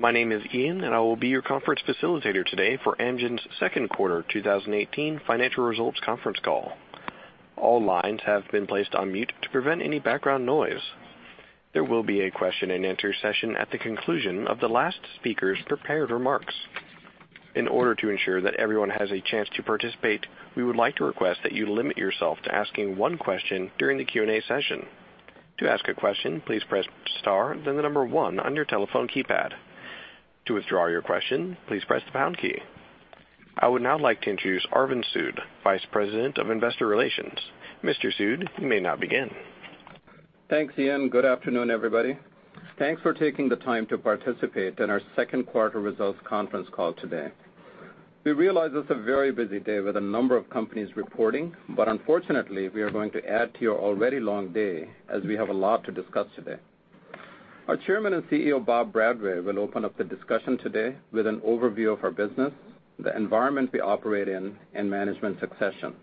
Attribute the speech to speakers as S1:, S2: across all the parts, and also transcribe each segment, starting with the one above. S1: My name is Ian and I will be your conference facilitator today for Amgen's second quarter 2018 financial results conference call. All lines have been placed on mute to prevent any background noise. There will be a question and answer session at the conclusion of the last speaker's prepared remarks. In order to ensure that everyone has a chance to participate, we would like to request that you limit yourself to asking one question during the Q&A session. To ask a question, please press star, then the number one on your telephone keypad. To withdraw your question, please press the pound key. I would now like to introduce Arvind Sood, Vice President of Investor Relations. Mr. Sood, you may now begin.
S2: Thanks, Ian. Good afternoon, everybody. Thanks for taking the time to participate in our second quarter results conference call today. We realize it's a very busy day with a number of companies reporting, but unfortunately, we are going to add to your already long day as we have a lot to discuss today. Our Chairman and CEO, Bob Bradway, will open up the discussion today with an overview of our business, the environment we operate in, and management succession.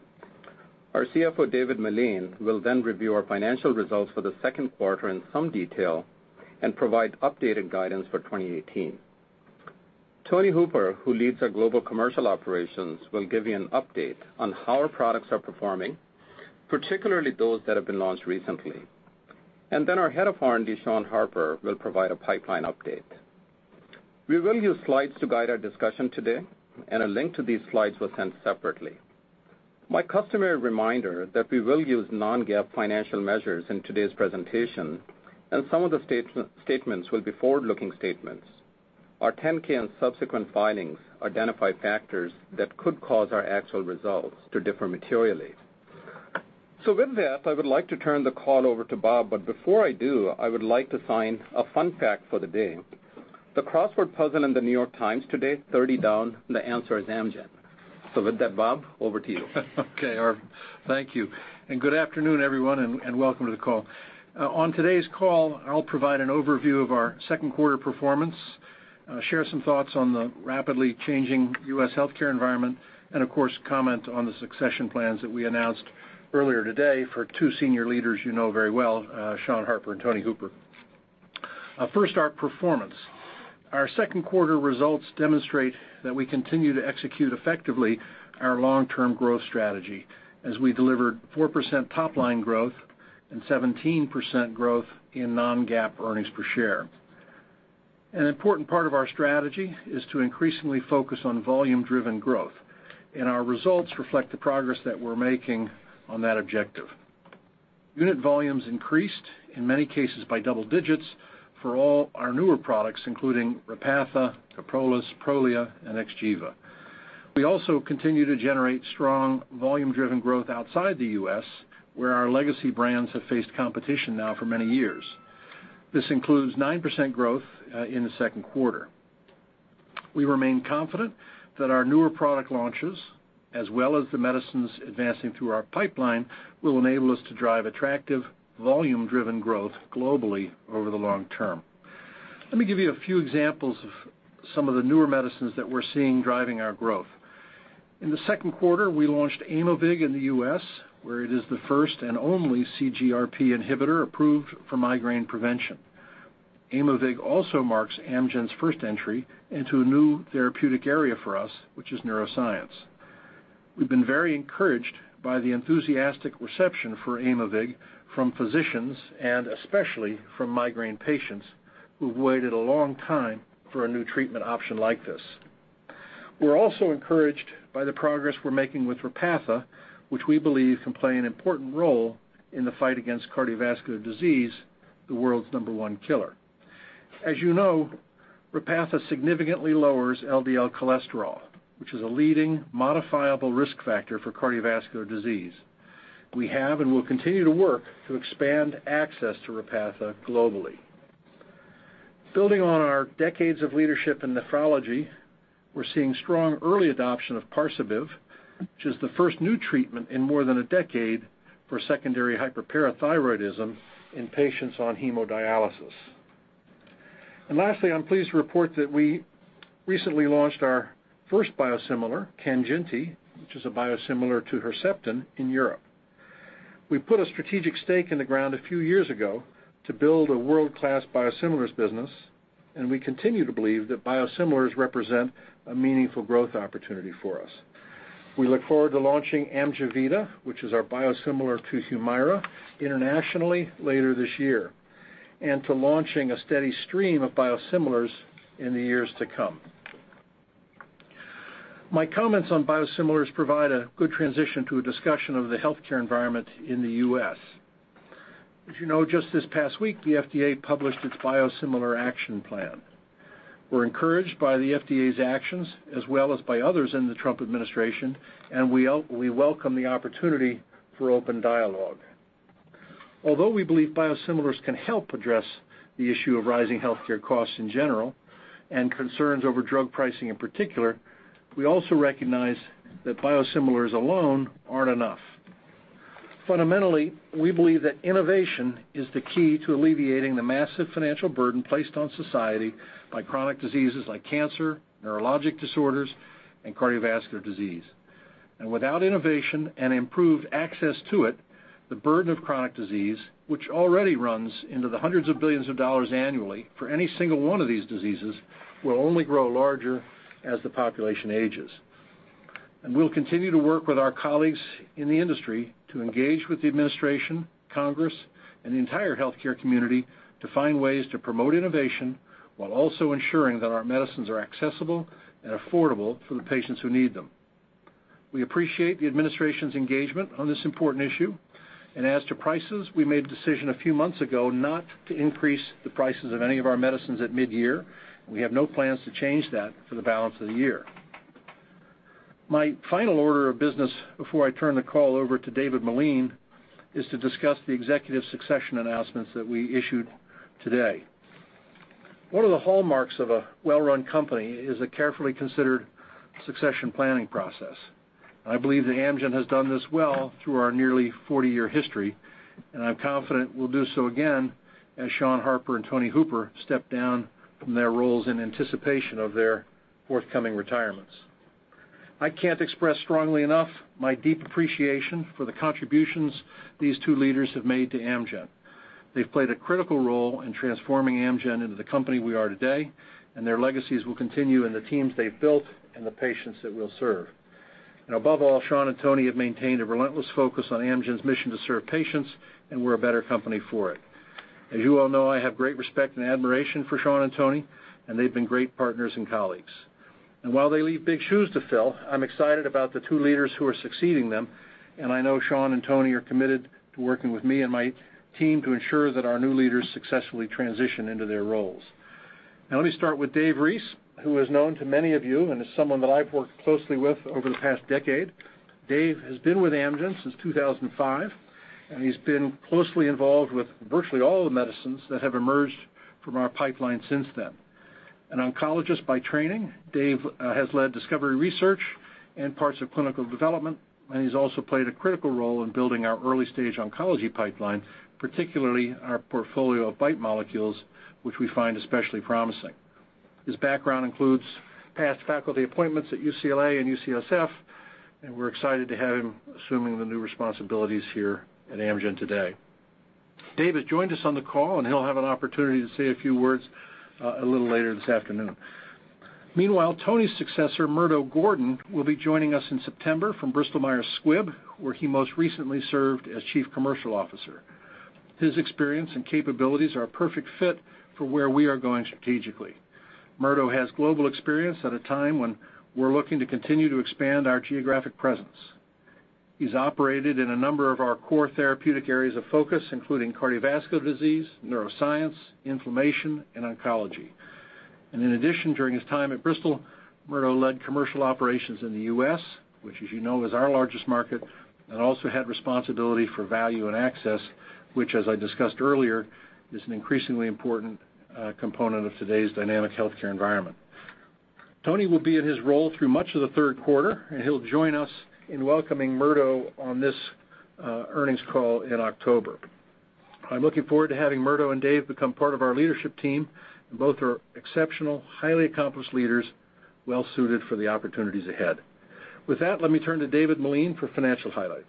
S2: Our CFO, David Meline, will review our financial results for the second quarter in some detail and provide updated guidance for 2018. Tony Hooper, who leads our Global Commercial Operations, will give you an update on how our products are performing, particularly those that have been launched recently. Our head of R&D, Sean Harper, will provide a pipeline update. We will use slides to guide our discussion today, and a link to these slides was sent separately. My customary reminder that we will use non-GAAP financial measures in today's presentation, and some of the statements will be forward-looking statements. Our 10-K and subsequent filings identify factors that could cause our actual results to differ materially. With that, I would like to turn the call over to Bob, before I do, I would like to sign a fun fact for the day. The crossword puzzle in The New York Times today, 30 down, the answer is Amgen. With that, Bob, over to you.
S3: Okay, Arvind. Thank you. Good afternoon, everyone, and welcome to the call. On today's call, I'll provide an overview of our second quarter performance, share some thoughts on the rapidly changing U.S. healthcare environment, of course, comment on the succession plans that we announced earlier today for two senior leaders you know very well, Sean Harper and Anthony Hooper. First, our performance. Our second quarter results demonstrate that we continue to execute effectively our long-term growth strategy as we delivered 4% top-line growth and 17% growth in non-GAAP earnings per share. An important part of our strategy is to increasingly focus on volume-driven growth. Our results reflect the progress that we're making on that objective. Unit volumes increased, in many cases by double digits, for all our newer products, including Repatha, KYPROLIS, Prolia, and XGEVA. We also continue to generate strong volume-driven growth outside the U.S., where our legacy brands have faced competition now for many years. This includes 9% growth in the second quarter. We remain confident that our newer product launches, as well as the medicines advancing through our pipeline, will enable us to drive attractive volume-driven growth globally over the long term. Let me give you a few examples of some of the newer medicines that we're seeing driving our growth. In the second quarter, we launched Aimovig in the U.S., where it is the first and only CGRP inhibitor approved for migraine prevention. Aimovig also marks Amgen's first entry into a new therapeutic area for us, which is neuroscience. We've been very encouraged by the enthusiastic reception for Aimovig from physicians and especially from migraine patients who've waited a long time for a new treatment option like this. We're also encouraged by the progress we're making with Repatha, which we believe can play an important role in the fight against cardiovascular disease, the world's number one killer. As you know, Repatha significantly lowers LDL cholesterol, which is a leading modifiable risk factor for cardiovascular disease. We have and will continue to work to expand access to Repatha globally. Building on our decades of leadership in nephrology, we're seeing strong early adoption of Parsabiv, which is the first new treatment in more than a decade for secondary hyperparathyroidism in patients on hemodialysis. Lastly, I'm pleased to report that we recently launched our first biosimilar, KANJINTI, which is a biosimilar to Herceptin, in Europe. We put a strategic stake in the ground a few years ago to build a world-class biosimilars business, and we continue to believe that biosimilars represent a meaningful growth opportunity for us. We look forward to launching Amjevita, which is our biosimilar to Humira, internationally later this year, and to launching a steady stream of biosimilars in the years to come. My comments on biosimilars provide a good transition to a discussion of the healthcare environment in the U.S. As you know, just this past week, the FDA published its biosimilar action plan. We're encouraged by the FDA's actions as well as by others in the Trump administration. We welcome the opportunity for open dialogue. Although we believe biosimilars can help address the issue of rising healthcare costs in general and concerns over drug pricing in particular, we also recognize that biosimilars alone aren't enough. Fundamentally, we believe that innovation is the key to alleviating the massive financial burden placed on society by chronic diseases like cancer, neurologic disorders, and cardiovascular disease. Without innovation and improved access to it, the burden of chronic disease, which already runs into the hundreds of billions of dollars annually for any single one of these diseases, will only grow larger as the population ages. We'll continue to work with our colleagues in the industry to engage with the administration, Congress, and the entire healthcare community to find ways to promote innovation while also ensuring that our medicines are accessible and affordable for the patients who need them. We appreciate the administration's engagement on this important issue. As to prices, we made a decision a few months ago not to increase the prices of any of our medicines at mid-year. We have no plans to change that for the balance of the year. My final order of business before I turn the call over to David Meline is to discuss the executive succession announcements that we issued today. One of the hallmarks of a well-run company is a carefully considered succession planning process. I believe that Amgen has done this well through our nearly 40-year history, and I'm confident we'll do so again as Sean Harper and Anthony Hooper step down from their roles in anticipation of their forthcoming retirements. I can't express strongly enough my deep appreciation for the contributions these two leaders have made to Amgen. They've played a critical role in transforming Amgen into the company we are today, and their legacies will continue in the teams they've built and the patients that we'll serve. Above all, Sean and Tony have maintained a relentless focus on Amgen's mission to serve patients, and we're a better company for it. As you all know, I have great respect and admiration for Sean and Tony, and they've been great partners and colleagues. While they leave big shoes to fill, I'm excited about the two leaders who are succeeding them, and I know Sean and Tony are committed to working with me and my team to ensure that our new leaders successfully transition into their roles. Let me start with David Reese, who is known to many of you and is someone that I've worked closely with over the past decade. Dave has been with Amgen since 2005, and he's been closely involved with virtually all the medicines that have emerged from our pipeline since then. An oncologist by training, Dave has led discovery research and parts of clinical development, and he's also played a critical role in building our early-stage oncology pipeline, particularly our portfolio of BiTE molecules, which we find especially promising. His background includes past faculty appointments at UCLA and UCSF, and we're excited to have him assuming the new responsibilities here at Amgen today. Dave has joined us on the call, and he'll have an opportunity to say a few words a little later this afternoon. Meanwhile, Tony's successor, Murdo Gordon, will be joining us in September from Bristol Myers Squibb, where he most recently served as Chief Commercial Officer. His experience and capabilities are a perfect fit for where we are going strategically. Murdo has global experience at a time when we're looking to continue to expand our geographic presence. He's operated in a number of our core therapeutic areas of focus, including cardiovascular disease, neuroscience, inflammation, and oncology. In addition, during his time at Bristol, Murdo led commercial operations in the U.S., which, as you know, is our largest market, and also had responsibility for value and access, which, as I discussed earlier, is an increasingly important component of today's dynamic healthcare environment. Tony will be in his role through much of the third quarter, and he'll join us in welcoming Murdo on this earnings call in October. I'm looking forward to having Murdo and Dave become part of our leadership team, and both are exceptional, highly accomplished leaders, well-suited for the opportunities ahead. With that, let me turn to David Meline for financial highlights.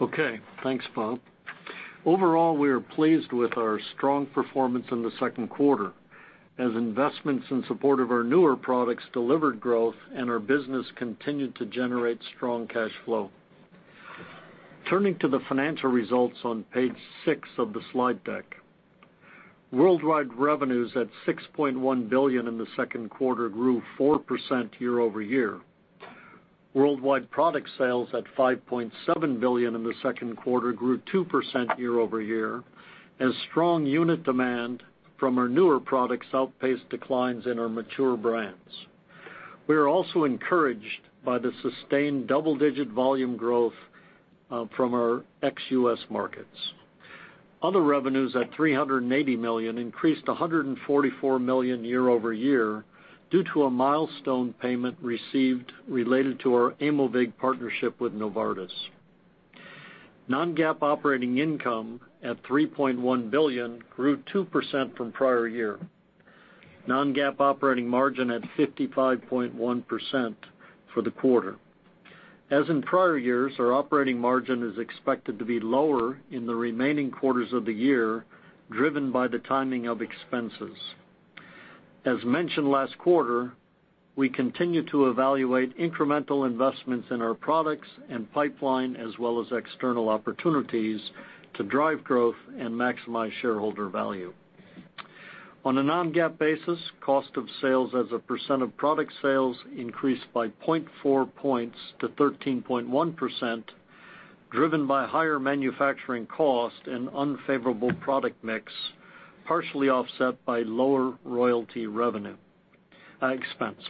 S4: Okay. Thanks, Bob. Overall, we are pleased with our strong performance in the second quarter, as investments in support of our newer products delivered growth and our business continued to generate strong cash flow. Turning to the financial results on page six of the slide deck. Worldwide revenues at $6.1 billion in the second quarter grew 4% year-over-year. Worldwide product sales at $5.7 billion in the second quarter grew 2% year-over-year as strong unit demand from our newer products outpaced declines in our mature brands. We are also encouraged by the sustained double-digit volume growth from our ex-U.S. markets. Other revenues at $380 million increased to $144 million year-over-year due to a milestone payment received related to our Aimovig partnership with Novartis. Non-GAAP operating income at $3.1 billion grew 2% from prior year. Non-GAAP operating margin at 55.1% for the quarter. As in prior years, our operating margin is expected to be lower in the remaining quarters of the year, driven by the timing of expenses. As mentioned last quarter, we continue to evaluate incremental investments in our products and pipeline, as well as external opportunities to drive growth and maximize shareholder value. On a non-GAAP basis, cost of sales as a percent of product sales increased by 0.4 points to 13.1%, driven by higher manufacturing cost and unfavorable product mix, partially offset by lower royalty expense,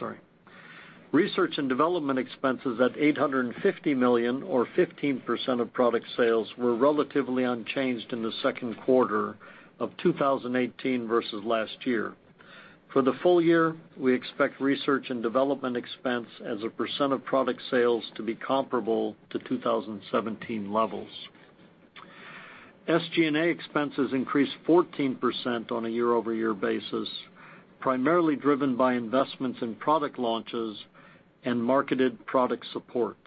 S4: sorry. Research and development expenses at $850 million or 15% of product sales were relatively unchanged in the second quarter of 2018 versus last year. For the full year, we expect research and development expense as a percent of product sales to be comparable to 2017 levels. SG&A expenses increased 14% on a year-over-year basis, primarily driven by investments in product launches and marketed product support.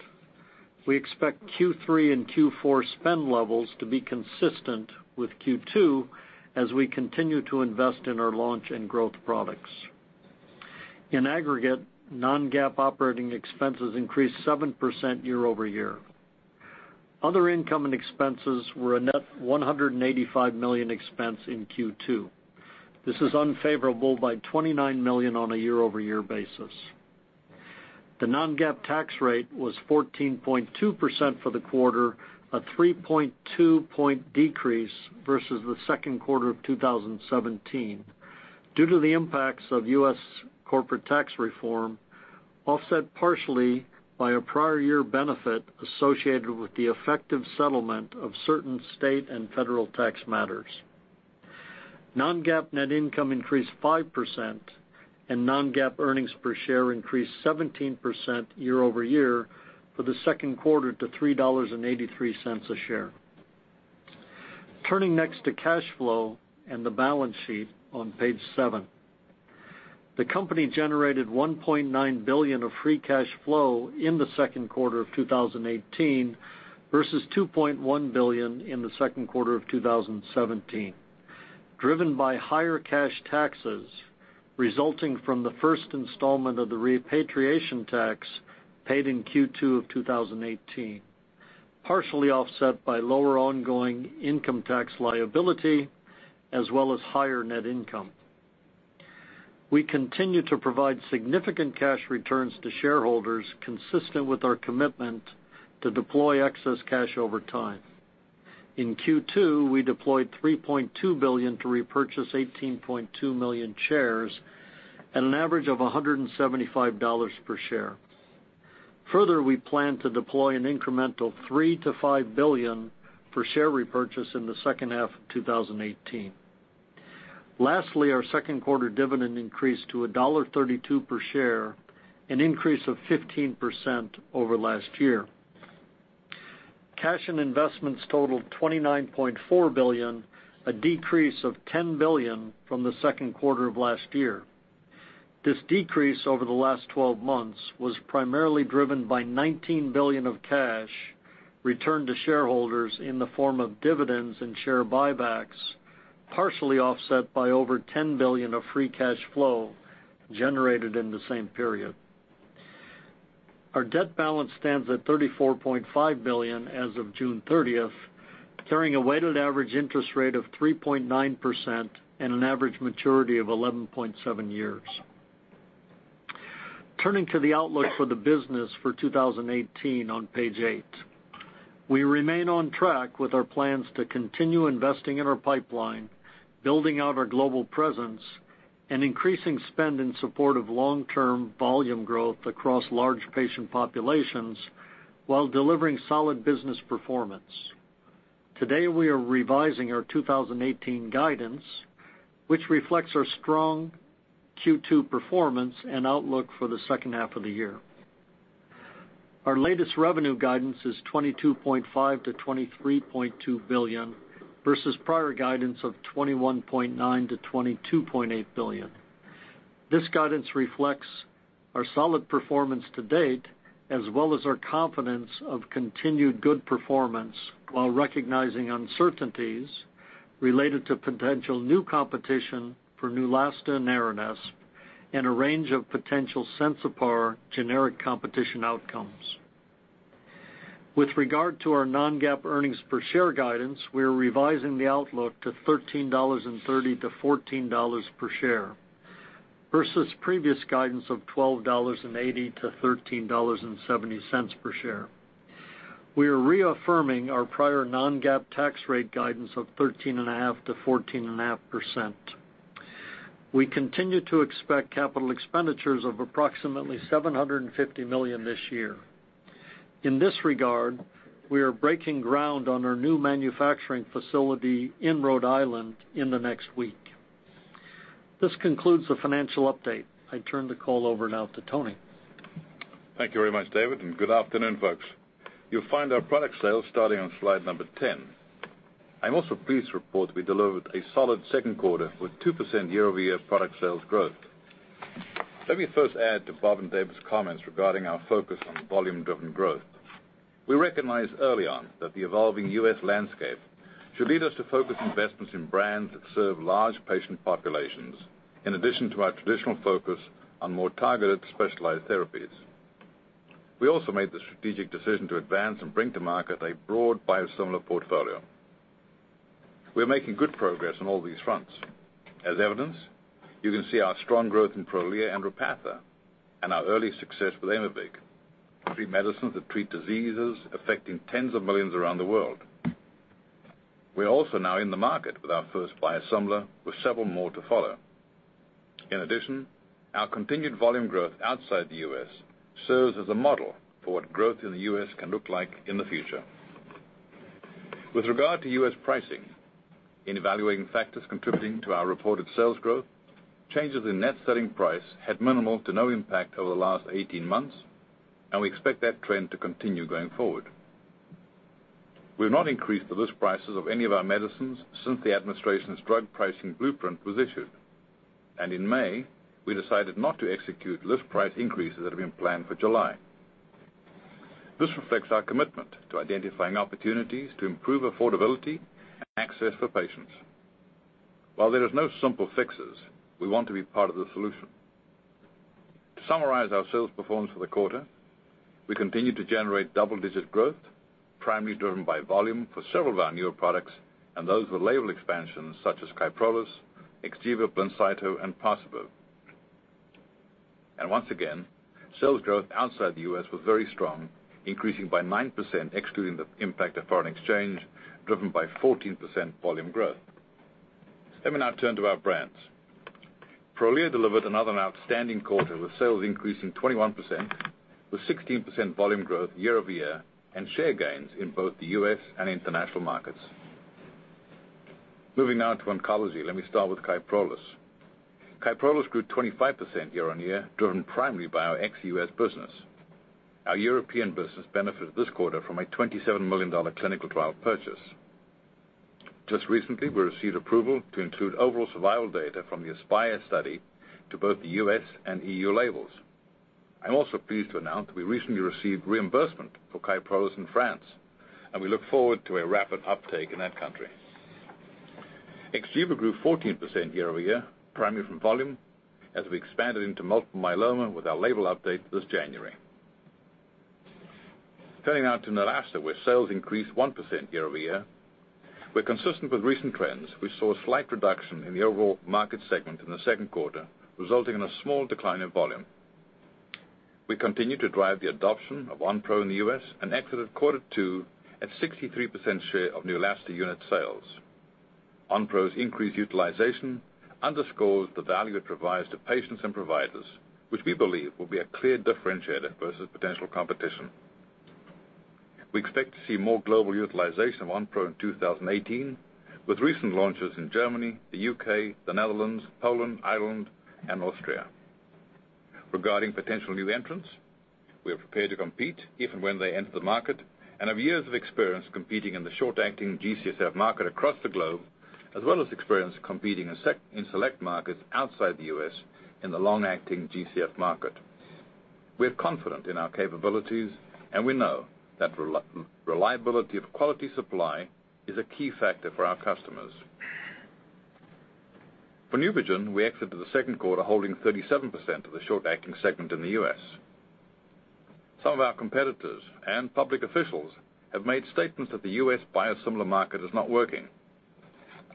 S4: We expect Q3 and Q4 spend levels to be consistent with Q2 as we continue to invest in our launch and growth products. In aggregate, non-GAAP operating expenses increased 7% year-over-year. Other income and expenses were a net $185 million expense in Q2. This is unfavorable by $29 million on a year-over-year basis. The non-GAAP tax rate was 14.2% for the quarter, a 3.2 point decrease versus the second quarter of 2017 due to the impacts of U.S. corporate tax reform, offset partially by a prior year benefit associated with the effective settlement of certain state and federal tax matters. Non-GAAP net income increased 5%, and non-GAAP earnings per share increased 17% year-over-year for the second quarter to $3.83 a share. Turning next to cash flow and the balance sheet on page seven. The company generated $1.9 billion of free cash flow in the second quarter of 2018 versus $2.1 billion in the second quarter of 2017, driven by higher cash taxes resulting from the first installment of the repatriation tax paid in Q2 of 2018, partially offset by lower ongoing income tax liability as well as higher net income. We continue to provide significant cash returns to shareholders consistent with our commitment to deploy excess cash over time. In Q2, we deployed $3.2 billion to repurchase 18.2 million shares at an average of $175 per share. Further, we plan to deploy an incremental $3 billion-$5 billion per share repurchase in the second half of 2018. Lastly, our second quarter dividend increased to $1.32 per share, an increase of 15% over last year. Cash and investments totaled $29.4 billion, a decrease of $10 billion from the second quarter of last year. This decrease over the last 12 months was primarily driven by $19 billion of cash returned to shareholders in the form of dividends and share buybacks, partially offset by over $10 billion of free cash flow generated in the same period. Our debt balance stands at $34.5 billion as of June 30th, carrying a weighted average interest rate of 3.9% and an average maturity of 11.7 years. Turning to the outlook for the business for 2018 on page eight. We remain on track with our plans to continue investing in our pipeline, building out our global presence, and increasing spend in support of long-term volume growth across large patient populations while delivering solid business performance. Today, we are revising our 2018 guidance, which reflects our strong Q2 performance and outlook for the second half of the year. Our latest revenue guidance is $22.5 billion-$23.2 billion versus prior guidance of $21.9 billion-$22.8 billion. This guidance reflects our solid performance to date, as well as our confidence of continued good performance while recognizing uncertainties related to potential new competition for Neulasta and Aranesp and a range of potential Sensipar generic competition outcomes. With regard to our non-GAAP earnings per share guidance, we are revising the outlook to $13.30-$14 per share versus previous guidance of $12.80-$13.70 per share. We are reaffirming our prior non-GAAP tax rate guidance of 13.5%-14.5%. We continue to expect capital expenditures of approximately $750 million this year. In this regard, we are breaking ground on our new manufacturing facility in Rhode Island in the next week. This concludes the financial update. I turn the call over now to Tony.
S5: Thank you very much, David, and good afternoon, folks. You'll find our product sales starting on slide number 10. I'm also pleased to report we delivered a solid second quarter with 2% year-over-year product sales growth. Let me first add to Bob and David's comments regarding our focus on volume-driven growth. We recognized early on that the evolving U.S. landscape should lead us to focus investments in brands that serve large patient populations, in addition to our traditional focus on more targeted specialized therapies. We also made the strategic decision to advance and bring to market a broad biosimilar portfolio. We are making good progress on all these fronts. As evidence, you can see our strong growth in Prolia and Repatha and our early success with Aimovig, three medicines that treat diseases affecting tens of millions around the world. We are also now in the market with our first biosimilar, with several more to follow. In addition, our continued volume growth outside the U.S. serves as a model for what growth in the U.S. can look like in the future. With regard to U.S. pricing. In evaluating factors contributing to our reported sales growth, changes in net selling price had minimal to no impact over the last 18 months, and we expect that trend to continue going forward. We have not increased the list prices of any of our medicines since the administration's drug pricing blueprint was issued. In May, we decided not to execute list price increases that have been planned for July. This reflects our commitment to identifying opportunities to improve affordability and access for patients. While there is no simple fixes, we want to be part of the solution. To summarize our sales performance for the quarter, we continued to generate double-digit growth, primarily driven by volume for several of our newer products and those with label expansions such as KYPROLIS, XGEVA, BLINCYTO, and Parsabiv. Once again, sales growth outside the U.S. was very strong, increasing by 9%, excluding the impact of foreign exchange, driven by 14% volume growth. Let me now turn to our brands. Prolia delivered another outstanding quarter with sales increasing 21%, with 16% volume growth year-over-year, and share gains in both the U.S. and international markets. Moving now to oncology. Let me start with KYPROLIS. KYPROLIS grew 25% year-on-year, driven primarily by our ex-U.S. business. Our European business benefited this quarter from a $27 million clinical trial purchase. Just recently, we received approval to include overall survival data from the ASPIRE study to both the U.S. and EU labels. I'm also pleased to announce we recently received reimbursement for KYPROLIS in France, and we look forward to a rapid uptake in that country. XGEVA grew 14% year-over-year, primarily from volume, as we expanded into multiple myeloma with our label update this January. Turning now to Neulasta, where sales increased 1% year-over-year, where consistent with recent trends, we saw a slight reduction in the overall market segment in the second quarter, resulting in a small decline in volume. We continue to drive the adoption of Onpro in the U.S. and exited quarter two at 63% share of Neulasta unit sales. Onpro's increased utilization underscores the value it provides to patients and providers, which we believe will be a clear differentiator versus potential competition. We expect to see more global utilization of Onpro in 2018, with recent launches in Germany, the U.K., the Netherlands, Poland, Ireland, and Austria. Regarding potential new entrants, we are prepared to compete if and when they enter the market and have years of experience competing in the short-acting G-CSF market across the globe, as well as experience competing in select markets outside the U.S. in the long-acting G-CSF market. We are confident in our capabilities, and we know that reliability of quality supply is a key factor for our customers. For NEUPOGEN, we exited the second quarter holding 37% of the short-acting segment in the U.S. Some of our competitors and public officials have made statements that the U.S. biosimilar market is not working.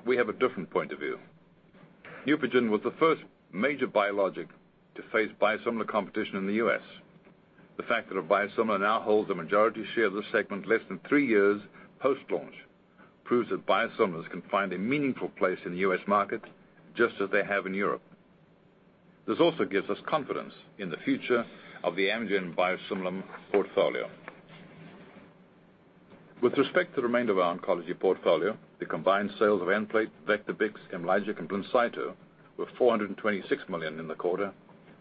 S5: We have a different point of view. NEUPOGEN was the first major biologic to face biosimilar competition in the U.S. The fact that a biosimilar now holds a majority share of this segment less than three years post-launch proves that biosimilars can find a meaningful place in the U.S. market, just as they have in Europe. This also gives us confidence in the future of the Amgen biosimilar portfolio. With respect to the remainder of our oncology portfolio, the combined sales of Nplate, Vectibix, Imlygic, and BLINCYTO were $426 million in the quarter,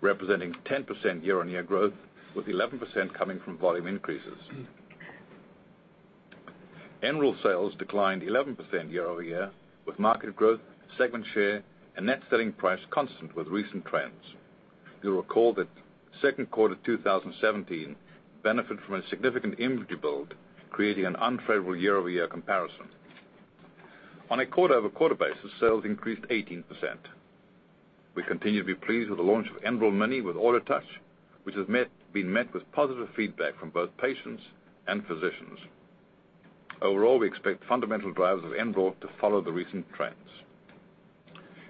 S5: representing 10% year-over-year growth, with 11% coming from volume increases. ENBREL sales declined 11% year-over-year, with market growth, segment share, and net selling price constant with recent trends. You'll recall that second quarter 2017 benefited from a significant inventory build, creating an unfavorable year-over-year comparison. On a quarter-over-quarter basis, sales increased 18%. We continue to be pleased with the launch of ENBREL Mini with AutoTouch, which has been met with positive feedback from both patients and physicians. Overall, we expect fundamental drivers of ENBREL to follow the recent trends.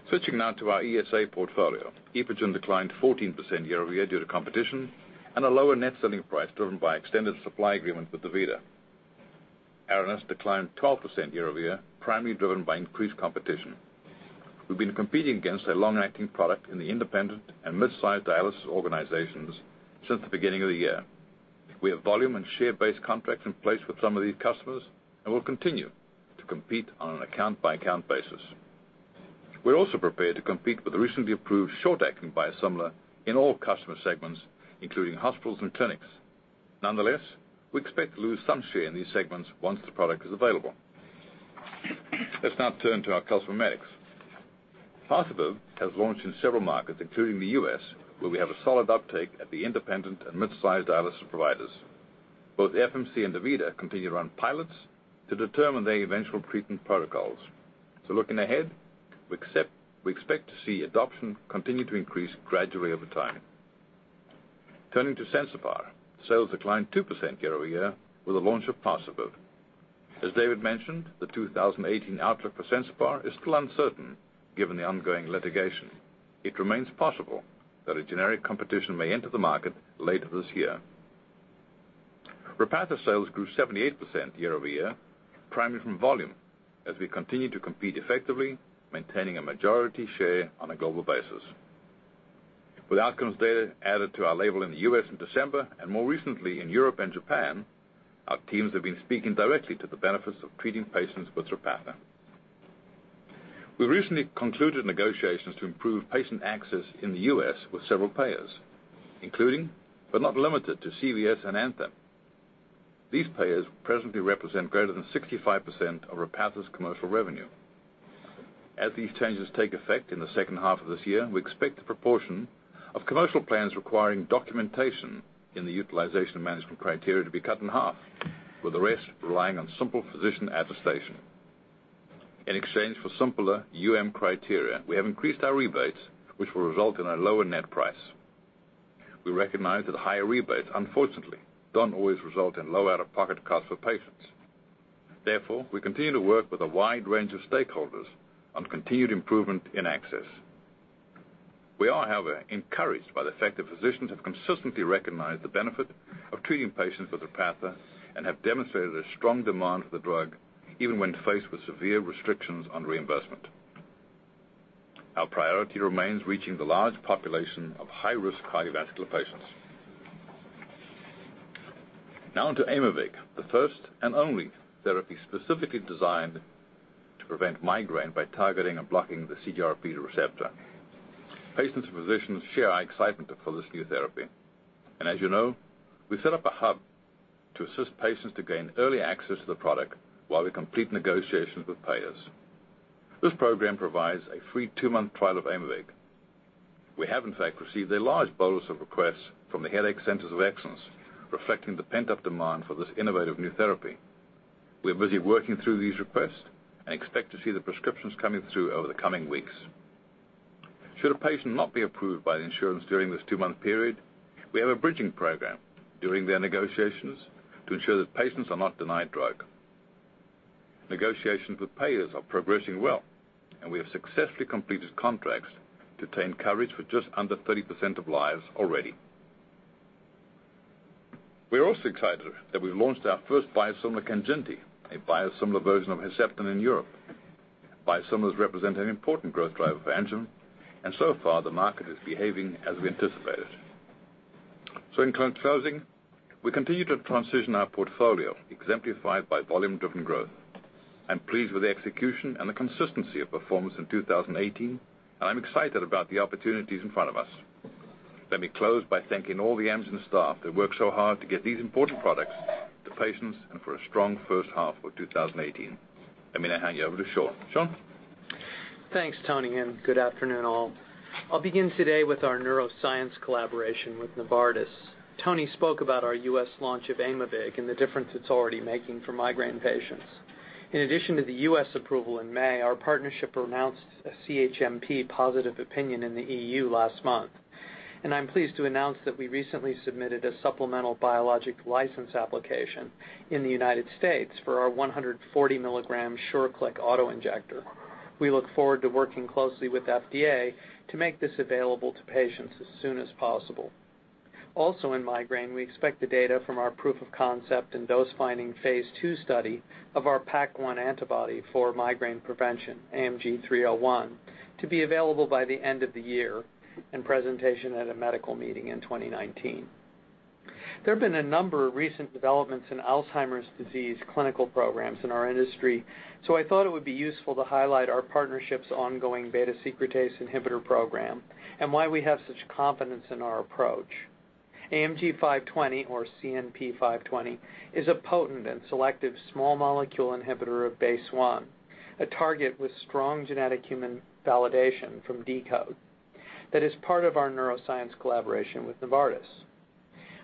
S5: Switching now to our ESA portfolio. EPOGEN declined 14% year-over-year due to competition and a lower net selling price driven by extended supply agreements with DaVita. Aranesp declined 12% year-over-year, primarily driven by increased competition. We've been competing against a long-acting product in the independent and mid-sized dialysis organizations since the beginning of the year. We have volume and share base contracts in place with some of these customers and will continue to compete on an account-by-account basis. We're also prepared to compete with the recently approved short-acting biosimilar in all customer segments, including hospitals and clinics. Nonetheless, we expect to lose some share in these segments once the product is available. Let's now turn to our nephrology therapeutics. Parsabiv has launched in several markets, including the U.S., where we have a solid uptake at the independent and mid-sized dialysis providers. Both FMC and DaVita continue to run pilots to determine their eventual treatment protocols. Looking ahead, we expect to see adoption continue to increase gradually over time. Turning to Sensipar. Sales declined 2% year-over-year with the launch of Parsabiv. As David mentioned, the 2018 outlook for Sensipar is still uncertain given the ongoing litigation. It remains possible that a generic competition may enter the market later this year. Repatha sales grew 78% year-over-year, primarily from volume, as we continue to compete effectively, maintaining a majority share on a global basis. With outcomes data added to our label in the U.S. in December and more recently in Europe and Japan, our teams have been speaking directly to the benefits of treating patients with Repatha. We recently concluded negotiations to improve patient access in the U.S. with several payers, including, but not limited to CVS and Anthem. These payers presently represent greater than 65% of Repatha's commercial revenue. As these changes take effect in the second half of this year, we expect the proportion of commercial plans requiring documentation in the utilization management criteria to be cut in half, with the rest relying on simple physician attestation. In exchange for simpler UM criteria, we have increased our rebates, which will result in a lower net price. We recognize that higher rebates, unfortunately, don't always result in low out-of-pocket costs for patients. Therefore, we continue to work with a wide range of stakeholders on continued improvement in access. We are, however, encouraged by the fact that physicians have consistently recognized the benefit of treating patients with Repatha and have demonstrated a strong demand for the drug, even when faced with severe restrictions on reimbursement. Our priority remains reaching the large population of high-risk cardiovascular patients. Now on to Aimovig, the first and only therapy specifically designed to prevent migraine by targeting and blocking the CGRP receptor. Patients and physicians share our excitement for this new therapy. As you know, we set up a hub to assist patients to gain early access to the product while we complete negotiations with payers. This program provides a free two-month trial of Aimovig. We have, in fact, received a large bonus of requests from the Headache Centers of Excellence, reflecting the pent-up demand for this innovative new therapy. We're busy working through these requests and expect to see the prescriptions coming through over the coming weeks. Should a patient not be approved by the insurance during this two-month period, we have a bridging program during their negotiations to ensure that patients are not denied drug. Negotiations with payers are progressing well, and we have successfully completed contracts to obtain coverage for just under 30% of lives already. We are also excited that we've launched our first biosimilar, KANJINTI, a biosimilar version of Herceptin in Europe. Biosimilars represent an important growth driver for Amgen, and so far, the market is behaving as we anticipated. In closing, we continue to transition our portfolio, exemplified by volume-driven growth. I'm pleased with the execution and the consistency of performance in 2018, and I'm excited about the opportunities in front of us. Let me close by thanking all the Amgen staff that worked so hard to get these important products to patients and for a strong first half for 2018. Let me now hand you over to Sean. Sean?
S6: Thanks, Tony, good afternoon all. I'll begin today with our neuroscience collaboration with Novartis. Tony spoke about our U.S. launch of Aimovig and the difference it's already making for migraine patients. In addition to the U.S. approval in May, our partnership announced a CHMP positive opinion in the EU last month. I'm pleased to announce that we recently submitted a supplemental biologic license application in the United States for our 140-milligram SureClick auto-injector. We look forward to working closely with FDA to make this available to patients as soon as possible. Also in migraine, we expect the data from our proof of concept and dose-finding phase II study of our PAC-1 antibody for migraine prevention, AMG 301, to be available by the end of the year, and presentation at a medical meeting in 2019. There have been a number of recent developments in Alzheimer's disease clinical programs in our industry, so I thought it would be useful to highlight our partnership's ongoing beta-secretase inhibitor program and why we have such confidence in our approach. AMG 520, or CNP 520, is a potent and selective small molecule inhibitor of BACE1, a target with strong genetic human validation from deCODE, that is part of our neuroscience collaboration with Novartis.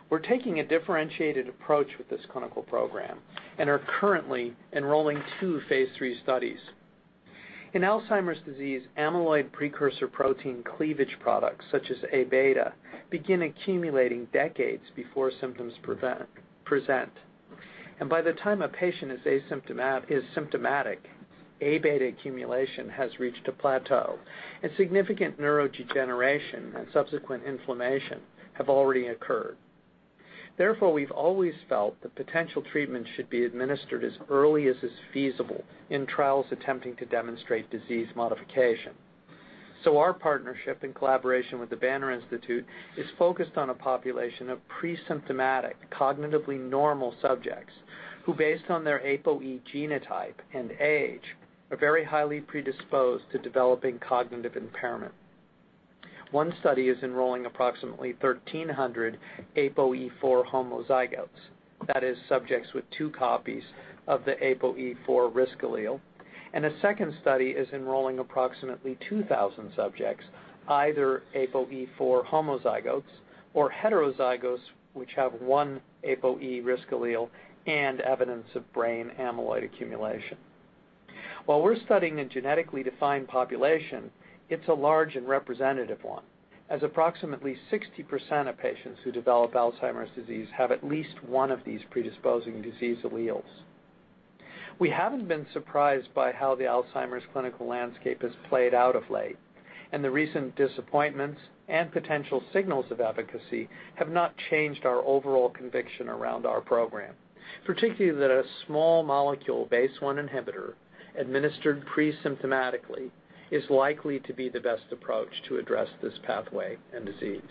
S6: We're taking a differentiated approach with this clinical program and are currently enrolling two phase III studies. In Alzheimer's disease, amyloid precursor protein cleavage products, such as A-beta, begin accumulating decades before symptoms present. By the time a patient is symptomatic, A-beta accumulation has reached a plateau, and significant neurodegeneration and subsequent inflammation have already occurred. Therefore, we've always felt that potential treatment should be administered as early as is feasible in trials attempting to demonstrate disease modification. Our partnership and collaboration with the Banner Institute is focused on a population of pre-symptomatic, cognitively normal subjects who, based on their APOE genotype and age, are very highly predisposed to developing cognitive impairment. One study is enrolling approximately 1,300 APOE4 homozygotes. That is, subjects with two copies of the APOE4 risk allele. A second study is enrolling approximately 2,000 subjects, either APOE4 homozygotes or heterozygotes, which have one APOE risk allele and evidence of brain amyloid accumulation. While we're studying a genetically defined population, it's a large and representative one, as approximately 60% of patients who develop Alzheimer's disease have at least one of these predisposing disease alleles. We haven't been surprised by how the Alzheimer's clinical landscape has played out of late, the recent disappointments and potential signals of efficacy have not changed our overall conviction around our program. Particularly that a small molecule BACE1 inhibitor administered pre-symptomatically is likely to be the best approach to address this pathway and disease.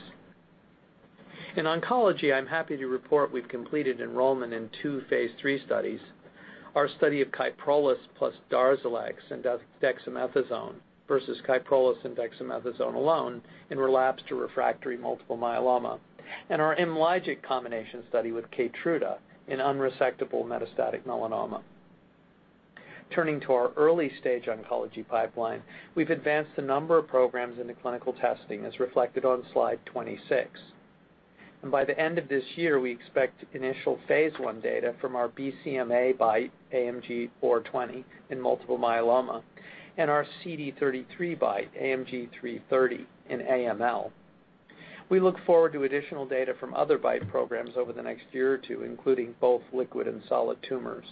S6: In oncology, I'm happy to report we've completed enrollment in two phase III studies. Our study of KYPROLIS plus DARZALEX and dexamethasone versus KYPROLIS and dexamethasone alone in relapsed or refractory multiple myeloma, and our IMLYGIC combination study with KEYTRUDA in unresectable metastatic melanoma. Turning to our early-stage oncology pipeline, we've advanced a number of programs into clinical testing, as reflected on slide 26. By the end of this year, we expect initial phase I data from our BCMA BiTE, AMG 420 in multiple myeloma, and our CD33 BiTE, AMG 330 in AML. We look forward to additional data from other BiTE programs over the next year or two, including both liquid and solid tumors.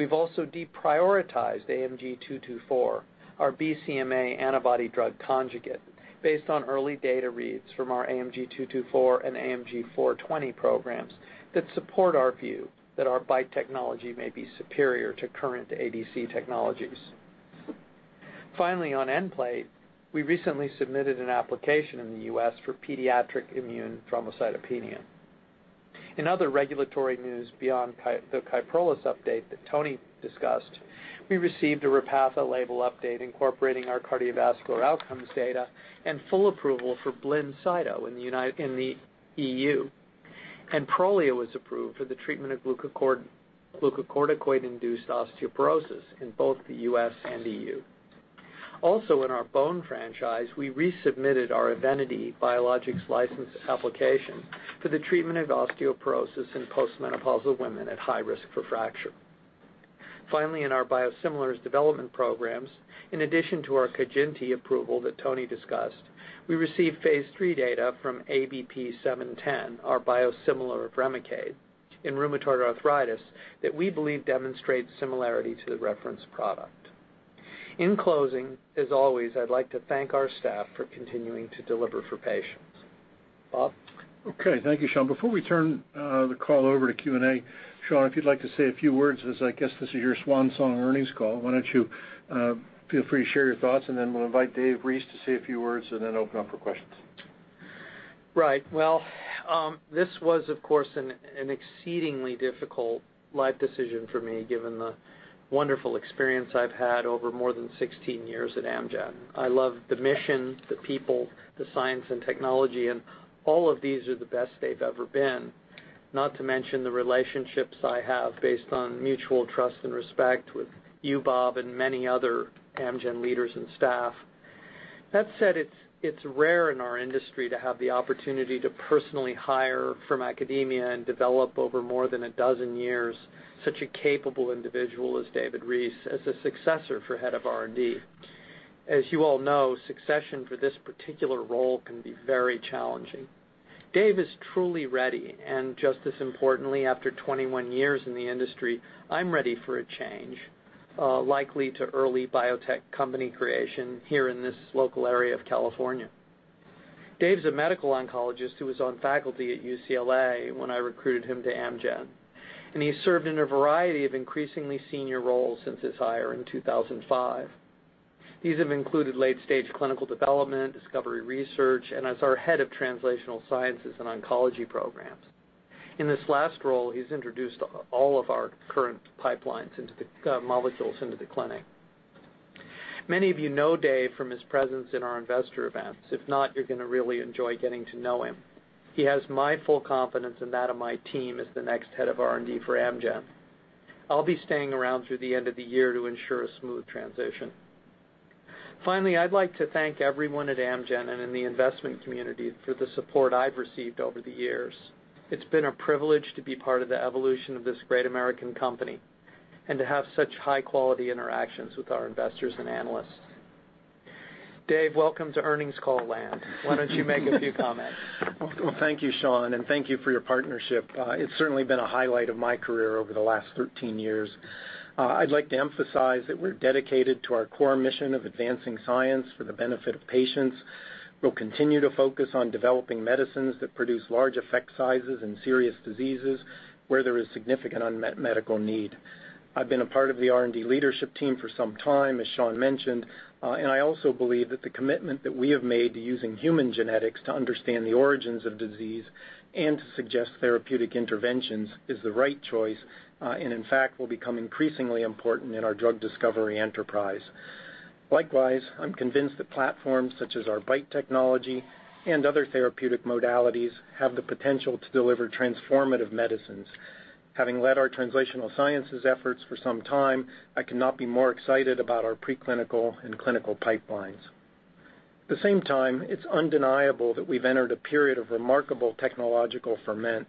S6: We've also deprioritized AMG 224, our BCMA antibody-drug conjugate, based on early data reads from our AMG 224 and AMG 420 programs that support our view that our BiTE technology may be superior to current ADC technologies. Finally, on Nplate, we recently submitted an application in the U.S. for pediatric immune thrombocytopenia. In other regulatory news beyond the KYPROLIS update that Tony discussed, we received a REPATHA label update incorporating our cardiovascular outcomes data and full approval for BLINCYTO in the EU. PROLIA was approved for the treatment of glucocorticoid-induced osteoporosis in both the U.S. and EU. Also, in our bone franchise, we resubmitted our EVENITY biologics license application for the treatment of osteoporosis in post-menopausal women at high risk for fracture. Finally, in our biosimilars development programs, in addition to our KANJINTI approval that Tony discussed, we received phase III data from ABP 710, our biosimilar of REMICADE in rheumatoid arthritis that we believe demonstrates similarity to the reference product. In closing, as always, I'd like to thank our staff for continuing to deliver for patients. Bob?
S3: Thank you, Sean. Before we turn the call over to Q&A, Sean, if you'd like to say a few words, as I guess this is your swan song earnings call. Why don't you feel free to share your thoughts, and then we'll invite Dave Reese to say a few words and then open up for questions.
S6: This was, of course, an exceedingly difficult life decision for me, given the wonderful experience I've had over more than 16 years at Amgen. I love the mission, the people, the science and technology, and all of these are the best they've ever been. Not to mention the relationships I have, based on mutual trust and respect, with you, Bob, and many other Amgen leaders and staff. That said, it's rare in our industry to have the opportunity to personally hire from academia and develop over more than a dozen years such a capable individual as David Reese as a successor for head of R&D. As you all know, succession for this particular role can be very challenging. Dave is truly ready, and just as importantly, after 21 years in the industry, I'm ready for a change, likely to early biotech company creation here in this local area of California. Dave's a medical oncologist who was on faculty at UCLA when I recruited him to Amgen, and he served in a variety of increasingly senior roles since his hire in 2005. These have included late-stage clinical development, discovery research, and as our head of Translational Sciences and Oncology programs. In this last role, he's introduced all of our current molecules into the clinic. Many of you know Dave from his presence in our investor events. If not, you're going to really enjoy getting to know him. He has my full confidence and that of my team as the next head of R&D for Amgen. I'll be staying around through the end of the year to ensure a smooth transition. Finally, I'd like to thank everyone at Amgen and in the investment community for the support I've received over the years. It's been a privilege to be part of the evolution of this great American company and to have such high-quality interactions with our investors and analysts. Dave, welcome to earnings call land. Why don't you make a few comments?
S7: Thank you, Sean, and thank you for your partnership. It's certainly been a highlight of my career over the last 13 years. I'd like to emphasize that we're dedicated to our core mission of advancing science for the benefit of patients. We'll continue to focus on developing medicines that produce large effect sizes in serious diseases where there is significant unmet medical need. I've been a part of the R&D leadership team for some time, as Sean mentioned, I also believe that the commitment that we have made to using human genetics to understand the origins of disease and to suggest therapeutic interventions is the right choice, in fact, will become increasingly important in our drug discovery enterprise. Likewise, I'm convinced that platforms such as our BiTE technology and other therapeutic modalities have the potential to deliver transformative medicines. Having led our translational sciences efforts for some time, I cannot be more excited about our preclinical and clinical pipelines. At the same time, it's undeniable that we've entered a period of remarkable technological ferment,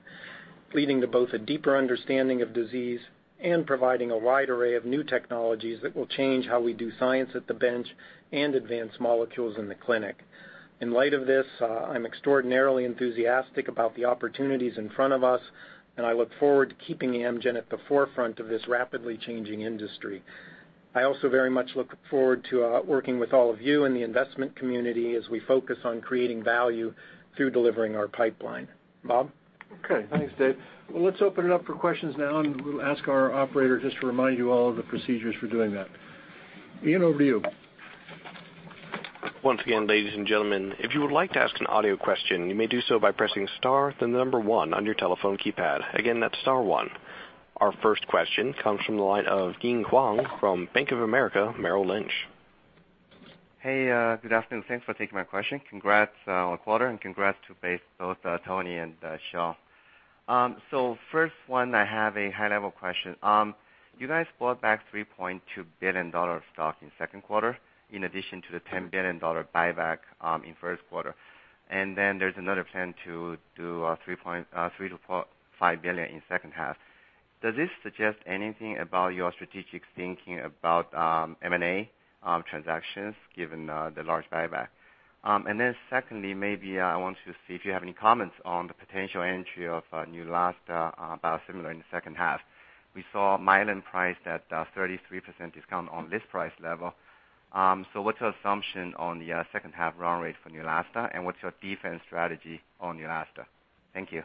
S7: leading to both a deeper understanding of disease, providing a wide array of new technologies that will change how we do science at the bench, advance molecules in the clinic. In light of this, I'm extraordinarily enthusiastic about the opportunities in front of us, I look forward to keeping Amgen at the forefront of this rapidly changing industry. I also very much look forward to working with all of you in the investment community as we focus on creating value through delivering our pipeline. Bob?
S3: Okay. Thanks, Dave. Let's open it up for questions now, we'll ask our operator just to remind you all of the procedures for doing that. Ian, over to you.
S1: Once again, ladies and gentlemen, if you would like to ask an audio question, you may do so by pressing star then the number 1 on your telephone keypad. Again, that's star 1. Our first question comes from the line of Ying Huang from Bank of America Merrill Lynch.
S8: Hey, good afternoon. Thanks for taking my question. Congrats on the quarter and congrats to both Tony and Sean. First one, I have a high-level question. You guys bought back $3.2 billion stock in Q2, in addition to the $10 billion buyback in Q1. There's another plan to do $3 billion-$5 billion in second half. Does this suggest anything about your strategic thinking about M&A transactions, given the large buyback? Secondly, maybe I want to see if you have any comments on the potential entry of Neulasta biosimilar in the second half. We saw Mylan price at 33% discount on list price level. What's your assumption on the second half run rate for Neulasta, and what's your defense strategy on Neulasta? Thank you.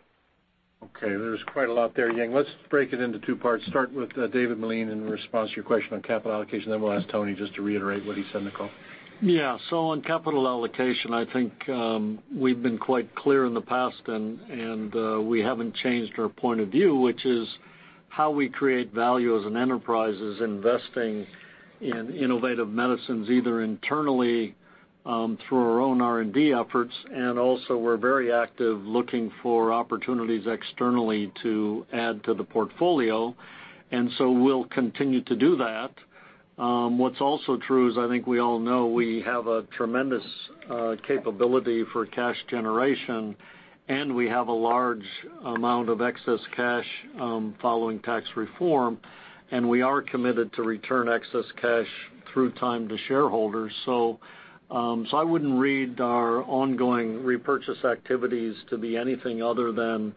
S3: There's quite a lot there, Ying. Let's break it into two parts, start with David Meline in response to your question on capital allocation. We'll ask Tony just to reiterate what he said in the call.
S4: On capital allocation, I think we've been quite clear in the past, and we haven't changed our point of view, which is how we create value as an enterprise is investing in innovative medicines, either internally through our own R&D efforts, and also we're very active looking for opportunities externally to add to the portfolio. We'll continue to do that. What's also true is, I think we all know we have a tremendous capability for cash generation, and we have a large amount of excess cash following tax reform, and we are committed to return excess cash through time to shareholders. I wouldn't read our ongoing repurchase activities to be anything other than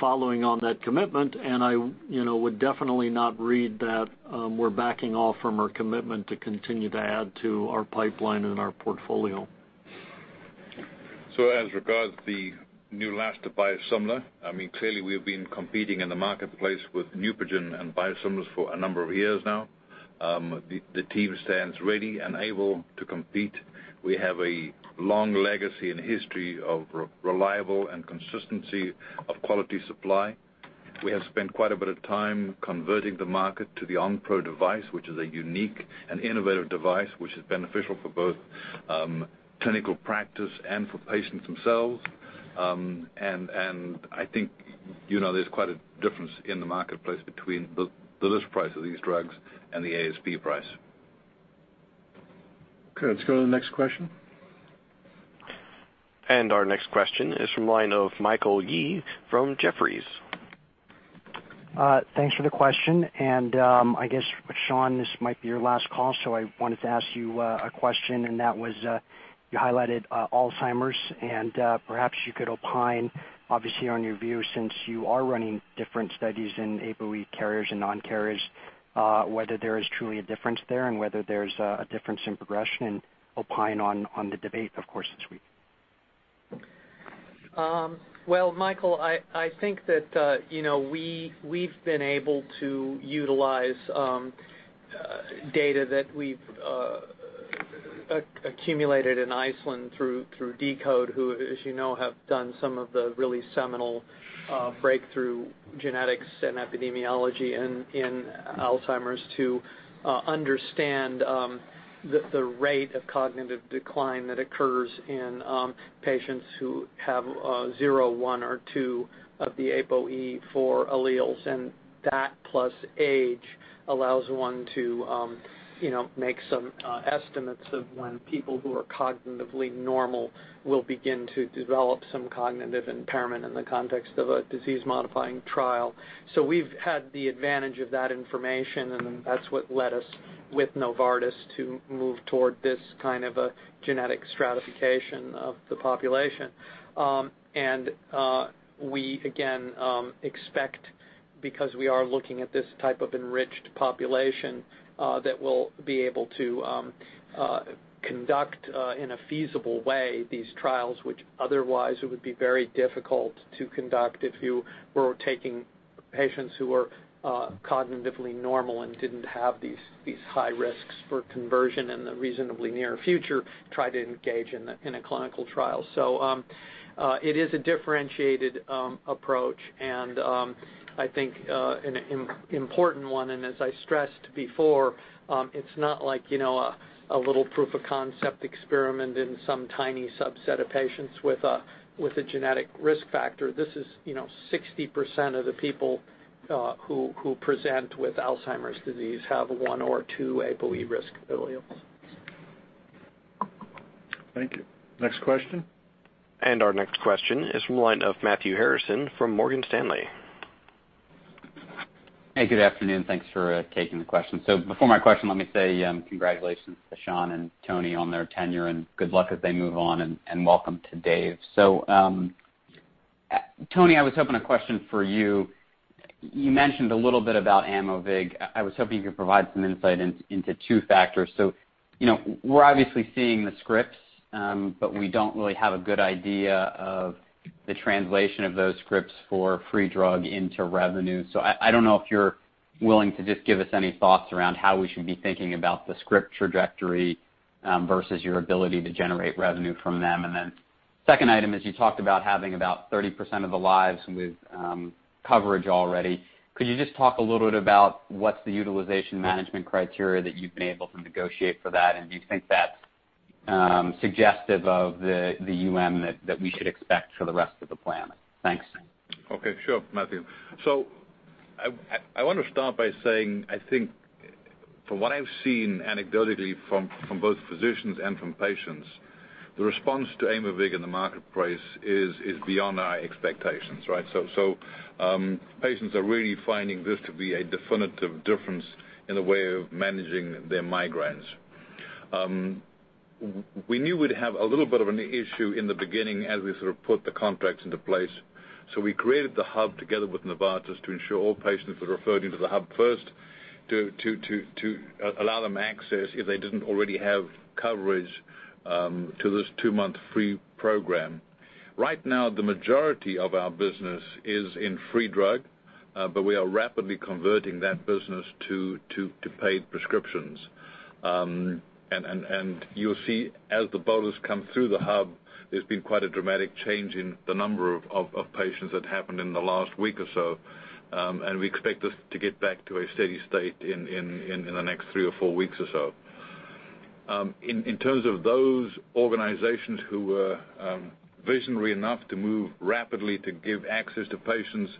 S4: following on that commitment. I would definitely not read that we're backing off from our commitment to continue to add to our pipeline and our portfolio.
S5: As regards the Neulasta biosimilar, clearly we have been competing in the marketplace with Neupogen and biosimilars for a number of years now. The team stands ready and able to compete. We have a long legacy and history of reliable and consistency of quality supply. We have spent quite a bit of time converting the market to the Onpro device, which is a unique and innovative device which is beneficial for both clinical practice and for patients themselves. I think there's quite a difference in the marketplace between the list price of these drugs and the ASP price.
S3: Okay, let's go to the next question.
S1: Our next question is from line of Michael Yee from Jefferies.
S9: Thanks for the question. I guess, Sean, this might be your last call, I wanted to ask you a question, that was, you highlighted Alzheimer's, perhaps you could opine, obviously, on your view, since you are running different studies in APOE carriers and non-carriers, whether there is truly a difference there and whether there's a difference in progression and opine on the debate, of course, this week.
S6: Well, Michael, I think that we've been able to utilize data that we've accumulated in Iceland through deCODE, who, as you know, have done some of the really seminal breakthrough genetics and epidemiology in Alzheimer's to understand the rate of cognitive decline that occurs in patients who have zero, one or two of the APOE4 alleles. That, plus age, allows one to make some estimates of when people who are cognitively normal will begin to develop some cognitive impairment in the context of a disease-modifying trial. We've had the advantage of that information, and that's what led us with Novartis to move toward this kind of a genetic stratification of the population. We, again, expect, because we are looking at this type of enriched population, that we'll be able to conduct, in a feasible way, these trials, which otherwise would be very difficult to conduct if you were taking patients who are cognitively normal and didn't have these high risks for conversion in the reasonably near future, try to engage in a clinical trial. It is a differentiated approach and I think an important one, and as I stressed before, it's not like a little proof of concept experiment in some tiny subset of patients with a genetic risk factor. This is 60% of the people who present with Alzheimer's disease have one or two APOE risk alleles.
S3: Thank you. Next question.
S1: Our next question is from the line of Matthew Harrison from Morgan Stanley.
S10: Hey, good afternoon. Thanks for taking the question. Before my question, let me say congratulations to Sean Harper and Anthony Hooper on their tenure and good luck as they move on and welcome to David Reese. Anthony Hooper, I was hoping a question for you. You mentioned a little bit about Aimovig. I was hoping you could provide some insight into two factors. We're obviously seeing the scripts, but we don't really have a good idea of the translation of those scripts for free drug into revenue. I don't know if you're willing to just give us any thoughts around how we should be thinking about the script trajectory versus your ability to generate revenue from them. Second item is you talked about having about 30% of the lives with coverage already. Could you just talk a little bit about what's the utilization management criteria that you've been able to negotiate for that? Do you think that's suggestive of the UM that we should expect for the rest of the plan? Thanks.
S5: Okay, sure, Matthew Harrison. I want to start by saying, I think from what I've seen anecdotally from both physicians and from patients, the response to Aimovig in the marketplace is beyond our expectations, right? Patients are really finding this to be a definitive difference in the way of managing their migraines. We knew we'd have a little bit of an issue in the beginning as we sort of put the contracts into place. We created the hub together with Novartis to ensure all patients were referred into the hub first to allow them access if they didn't already have coverage to this two-month free program. Right now, the majority of our business is in free drug, but we are rapidly converting that business to paid prescriptions. You'll see as the bottles come through the hub, there's been quite a dramatic change in the number of patients that happened in the last week or so, and we expect this to get back to a steady state in the next three or four weeks or so. In terms of those organizations who were visionary enough to move rapidly to give access to patients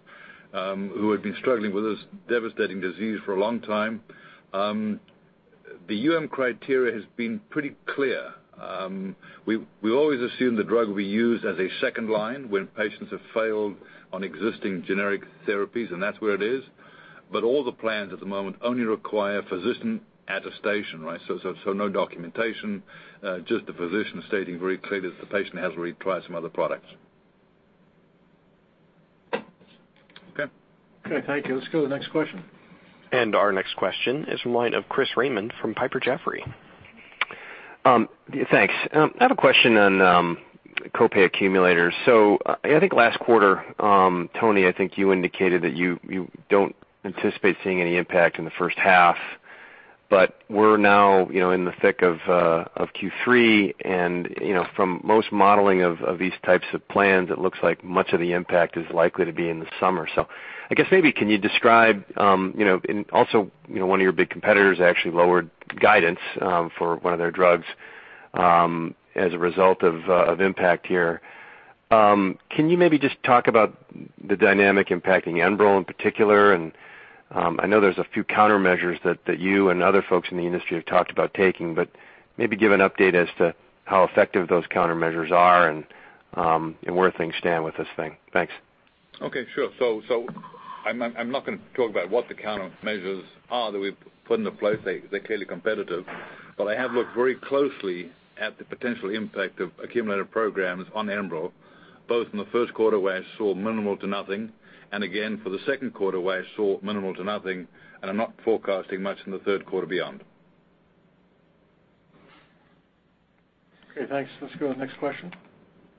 S5: who had been struggling with this devastating disease for a long time, the UM criteria has been pretty clear. We always assume the drug will be used as a second line when patients have failed on existing generic therapies, and that's where it is. All the plans at the moment only require physician attestation, right? No documentation, just the physician stating very clearly that the patient has already tried some other products. Okay?
S3: Okay, thank you. Let's go to the next question.
S1: Our next question is from the line of Christopher Raymond from Piper Jaffray.
S11: Thanks. I have a question on copay accumulators. I think last quarter, Tony, I think you indicated that you don't anticipate seeing any impact in the first half, but we're now in the thick of Q3, from most modeling of these types of plans, it looks like much of the impact is likely to be in the summer. I guess maybe, also one of your big competitors actually lowered guidance for one of their drugs as a result of impact here. Can you maybe just talk about the dynamic impacting ENBREL in particular? I know there's a few countermeasures that you and other folks in the industry have talked about taking, but maybe give an update as to how effective those countermeasures are and where things stand with this thing. Thanks.
S5: Okay, sure. I'm not going to talk about what the countermeasures are that we've put into place. They're clearly competitive. I have looked very closely at the potential impact of accumulator programs on ENBREL, both in the first quarter where I saw minimal to nothing, again for the second quarter where I saw minimal to nothing, I'm not forecasting much in the third quarter beyond.
S3: Okay, thanks. Let's go to the next question.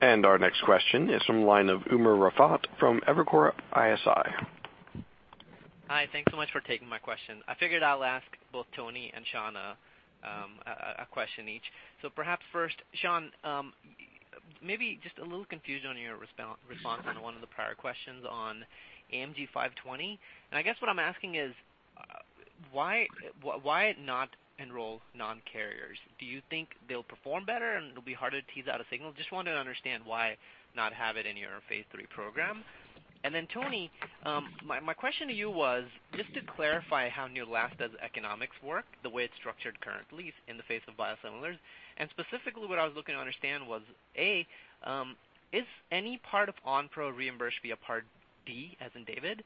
S1: Our next question is from the line of Umer Raffat from Evercore ISI.
S12: Hi. Thanks so much for taking my question. I figured I'll ask both Tony and Sean a question each. Perhaps first, Sean, maybe just a little confusion on your response on one of the prior questions on AMG 520, and I guess what I'm asking is why not enroll non-carriers? Do you think they'll perform better, and it'll be harder to tease out a signal? Just wanted to understand why not have it in your phase III program. Tony, my question to you was just to clarify how Neulasta's economics work, the way it's structured currently in the face of biosimilars. Specifically what I was looking to understand was, A, is any part of Onpro reimbursed via Part D, as in David?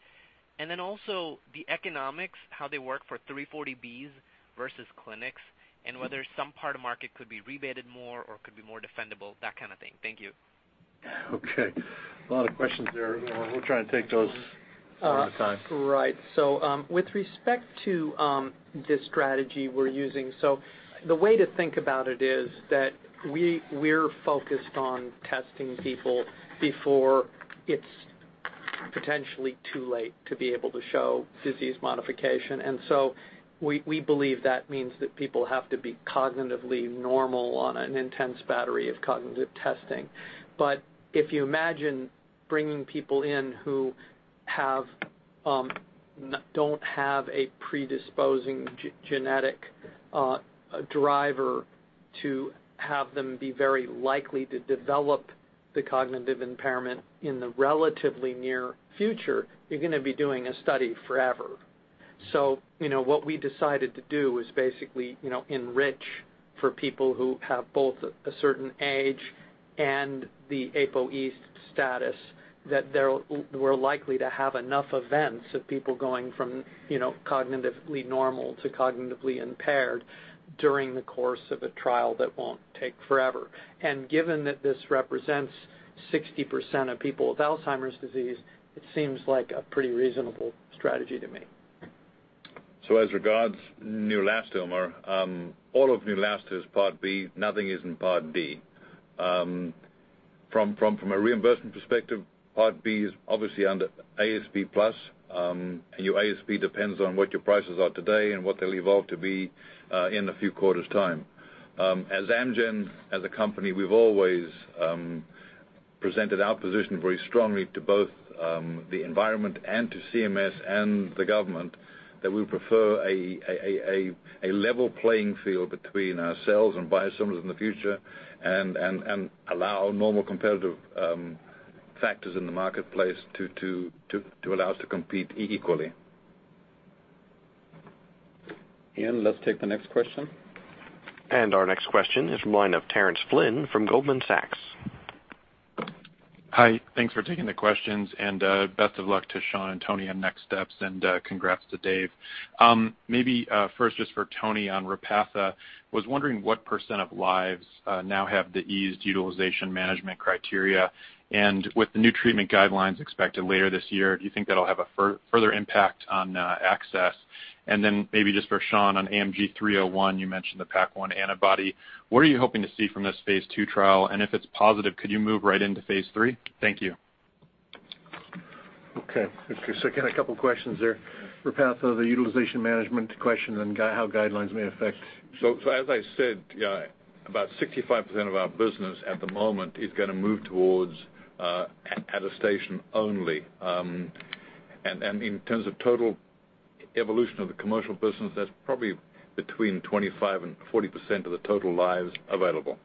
S12: Also the economics, how they work for 340Bs versus clinics, and whether some part of market could be rebated more or could be more defendable, that kind of thing. Thank you.
S3: Okay. A lot of questions there. We'll try and take those one at a time.
S6: Right. With respect to the strategy we're using, so the way to think about it is that we're focused on testing people before it's potentially too late to be able to show disease modification. We believe that means that people have to be cognitively normal on an intense battery of cognitive testing. If you imagine bringing people in who don't have a predisposing genetic driver to have them be very likely to develop the cognitive impairment in the relatively near future, you're going to be doing a study forever. What we decided to do is basically enrich for people who have both a certain age and the APOE status, that we're likely to have enough events of people going from cognitively normal to cognitively impaired during the course of a trial that won't take forever. Given that this represents 60% of people with Alzheimer's disease, it seems like a pretty reasonable strategy to me.
S5: As regards Neulasta, Umer, all of Neulasta is Part B. Nothing is in Part D. From a reimbursement perspective, Part B is obviously under ASP plus. Your ASP depends on what your prices are today and what they'll evolve to be in a few quarters' time. As Amgen, as a company, we've always presented our position very strongly to both the environment and to CMS and the government that we prefer a level playing field between ourselves and biosimilars in the future and allow normal competitive factors in the marketplace to allow us to compete equally.
S3: Ian, let's take the next question.
S1: Our next question is from the line of Terence Flynn from Goldman Sachs.
S13: Hi. Thanks for taking the questions, and best of luck to Sean and Tony on next steps, and congrats to Dave. Maybe first just for Tony on Repatha, was wondering what % of lives now have the eased utilization management criteria. With the new treatment guidelines expected later this year, do you think that'll have a further impact on access? Maybe just for Sean on AMG 301, you mentioned the PAC1 antibody. What are you hoping to see from this phase II trial? If it's positive, could you move right into phase III? Thank you.
S3: Okay. Again, a couple questions there. Repatha, the utilization management question and how guidelines may affect.
S5: As I said, about 65% of our business at the moment is going to move towards attestation only. In terms of total evolution of the commercial business, that's probably between 25%-40% of the total lives available.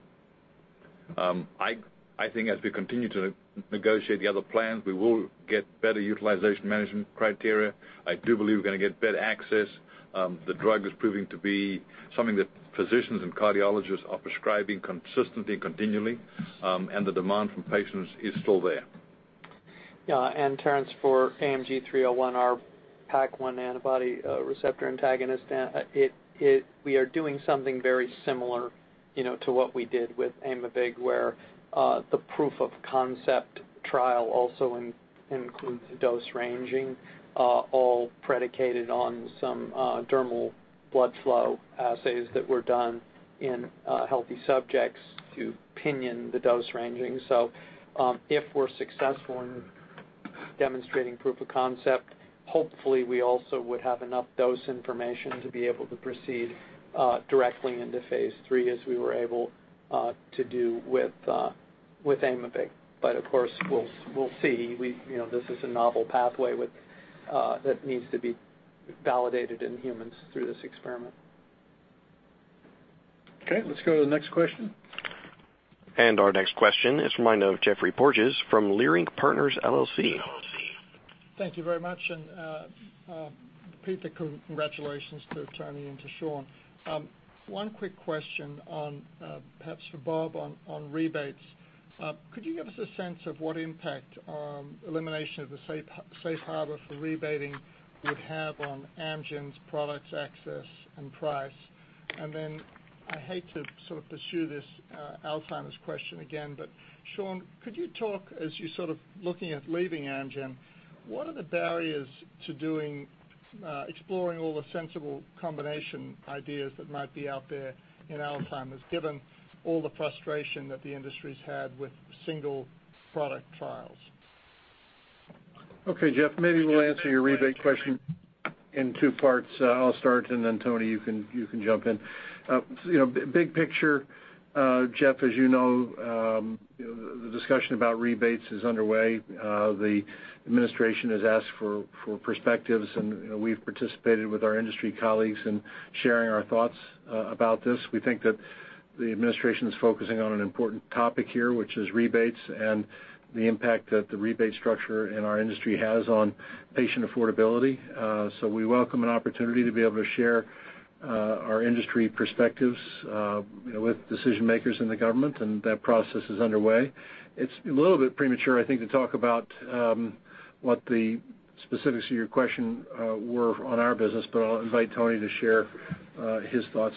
S5: I think as we continue to negotiate the other plans, we will get better utilization management criteria. I do believe we're going to get better access. The drug is proving to be something that physicians and cardiologists are prescribing consistently, continually, and the demand from patients is still there.
S6: Terence, for AMG 301, our PAC1 antibody receptor antagonist, we are doing something very similar to what we did with Aimovig where the proof of concept trial also includes dose ranging all predicated on some dermal blood flow assays that were done in healthy subjects to pin down the dose ranging. If we're successful in demonstrating proof of concept, hopefully we also would have enough dose information to be able to proceed directly into phase III as we were able to do with Aimovig. Of course, we'll see. This is a novel pathway that needs to be validated in humans through this experiment.
S3: Okay. Let's go to the next question.
S1: Our next question is from the line of Geoffrey Porges from Leerink Partners LLC.
S14: Thank you very much, and repeat the congratulations to Tony and to Sean. One quick question perhaps for Bob on rebates. Could you give us a sense of what impact elimination of the safe harbor for rebating would have on Amgen's products access and price? I hate to sort of pursue this Alzheimer's question again, but Sean, could you talk, as you're sort of looking at leaving Amgen, what are the barriers to exploring all the sensible combination ideas that might be out there in Alzheimer's given all the frustration that the industry's had with single product trials?
S3: Okay, Geoff, maybe we'll answer your rebate question in two parts. I'll start. Then Tony, you can jump in. Big picture, Geoff, as you know, the discussion about rebates is underway. The administration has asked for perspectives, and we've participated with our industry colleagues in sharing our thoughts about this. We welcome an opportunity to be able to share our industry perspectives with decision-makers in the government, and that process is underway. It's a little bit premature, I think, to talk about what the specifics of your question were on our business. I'll invite Tony to share his thoughts.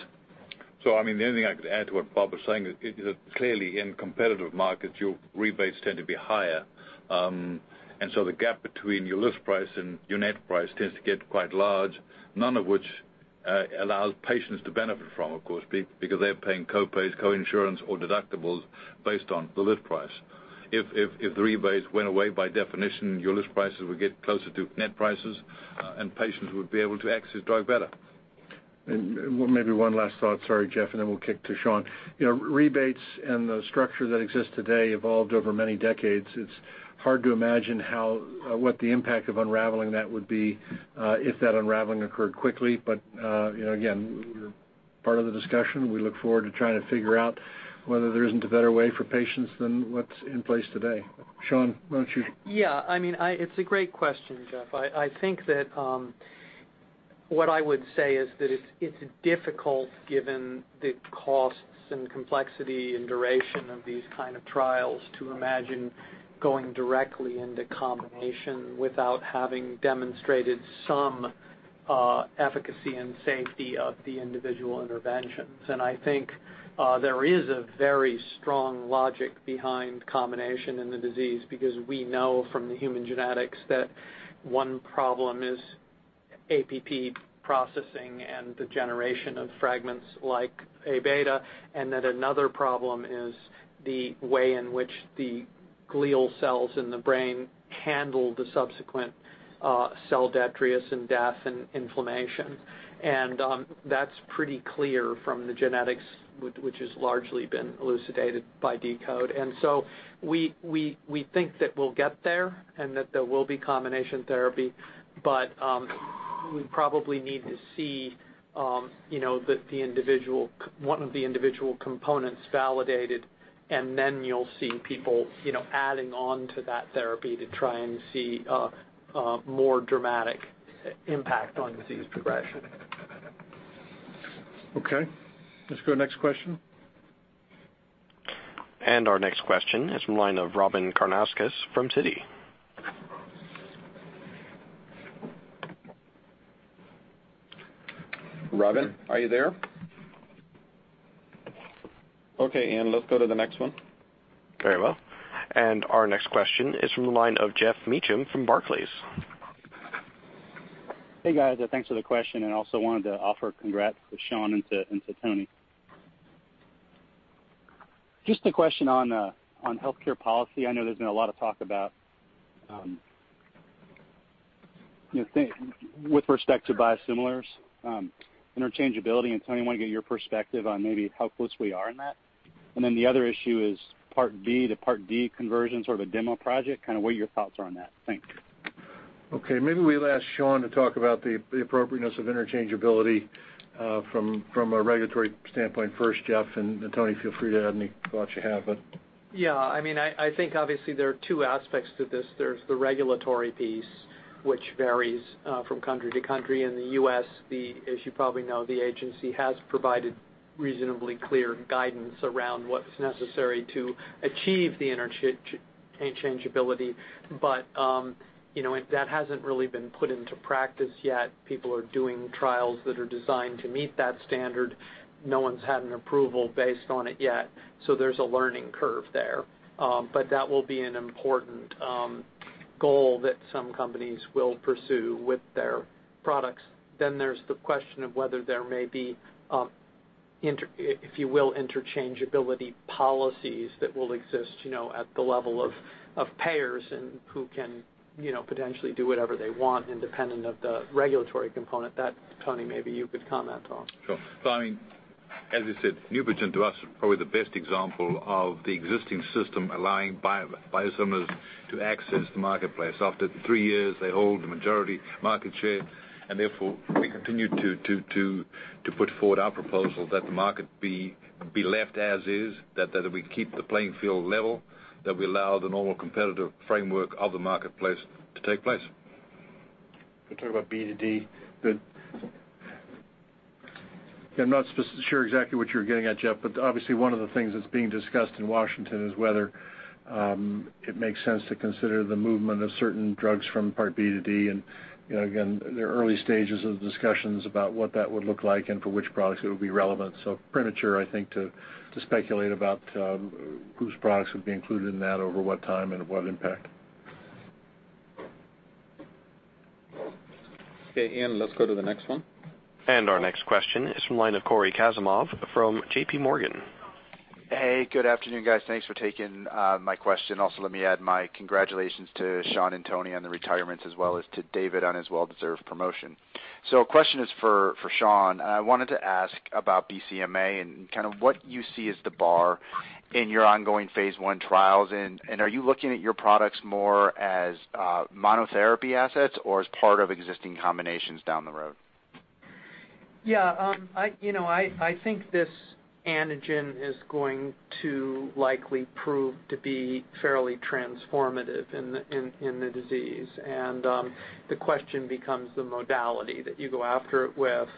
S5: The only thing I could add to what Bob was saying is that clearly in competitive markets, your rebates tend to be higher. The gap between your list price and your net price tends to get quite large, none of which allows patients to benefit from, of course, because they're paying co-pays, co-insurance, or deductibles based on the list price. If the rebates went away, by definition, your list prices would get closer to net prices. Patients would be able to access drug better.
S3: Maybe one last thought, sorry, Geoff. Then we'll kick to Sean. Rebates and the structure that exists today evolved over many decades. It's hard to imagine what the impact of unraveling that would be if that unraveling occurred quickly. Again, we're part of the discussion. We look forward to trying to figure out whether there isn't a better way for patients than what's in place today. Sean, why don't you
S6: Yeah, it's a great question, Geoff. I think that what I would say is that it's difficult given the costs and complexity and duration of these kind of trials to imagine going directly into combination without having demonstrated some efficacy and safety of the individual interventions. I think there is a very strong logic behind combination in the disease because we know from the human genetics that one problem is APP processing and the generation of fragments like Aβ, and that another problem is the way in which the glial cells in the brain handle the subsequent cell debris and death and inflammation. That's pretty clear from the genetics which has largely been elucidated by deCODE. We think that we'll get there and that there will be combination therapy, but we probably need to see one of the individual components validated, and then you'll see people adding on to that therapy to try and see a more dramatic impact on disease progression.
S3: Okay. Let's go next question.
S1: Our next question is from the line of Robyn Karnauskas from Citi.
S3: Robyn, are you there? Okay, Ian, let's go to the next one.
S1: Very well. Our next question is from the line of Geoff Meacham from Barclays.
S15: Hey, guys. Thanks for the question, and also wanted to offer congrats to Sean and to Tony. Just a question on healthcare policy. I know there's been a lot of talk about with respect to biosimilars interchangeability, and Tony, I want to get your perspective on maybe how close we are in that. The other issue is Part B to Part D conversion, sort of a demo project, kind of what your thoughts are on that. Thanks.
S3: Okay. Maybe we'll ask Sean to talk about the appropriateness of interchangeability from a regulatory standpoint first, Geoff, and then Tony, feel free to add any thoughts you have.
S6: Yeah. I think obviously there are two aspects to this. There's the regulatory piece, which varies from country to country. In the U.S., as you probably know, the agency has provided reasonably clear guidance around what's necessary to achieve the interchangeability. That hasn't really been put into practice yet. People are doing trials that are designed to meet that standard. No one's had an approval based on it yet, so there's a learning curve there. That will be an important goal that some companies will pursue with their products. There's the question of whether there may be if you will, interchangeability policies that will exist at the level of payers and who can potentially do whatever they want independent of the regulatory component. That, Tony, maybe you could comment on.
S5: Sure. As you said, NEUPOGEN to us is probably the best example of the existing system allowing biosimilars to access the marketplace. After three years, they hold the majority market share, and therefore we continue to put forward our proposal that the market be left as is, that we keep the playing field level, that we allow the normal competitive framework of the marketplace to take place.
S3: You talk about B to D. Good. I'm not sure exactly what you're getting at, Geoff, obviously one of the things that's being discussed in Washington is whether it makes sense to consider the movement of certain drugs from Part B to D. Again, they're early stages of the discussions about what that would look like and for which products it would be relevant. Premature, I think, to speculate about whose products would be included in that over what time and what impact. Okay, Ian, let's go to the next one.
S1: Our next question is from the line of Cory Kasimov from JPMorgan.
S16: Hey, good afternoon, guys. Thanks for taking my question. Also, let me add my congratulations to Sean and Tony on the retirements as well as to David on his well-deserved promotion. Question is for Sean, I wanted to ask about BCMA and kind of what you see as the bar in your ongoing phase I trials, and are you looking at your products more as monotherapy assets or as part of existing combinations down the road?
S6: Yeah. I think this antigen is going to likely prove to be fairly transformative in the disease. The question becomes the modality that you go after it with.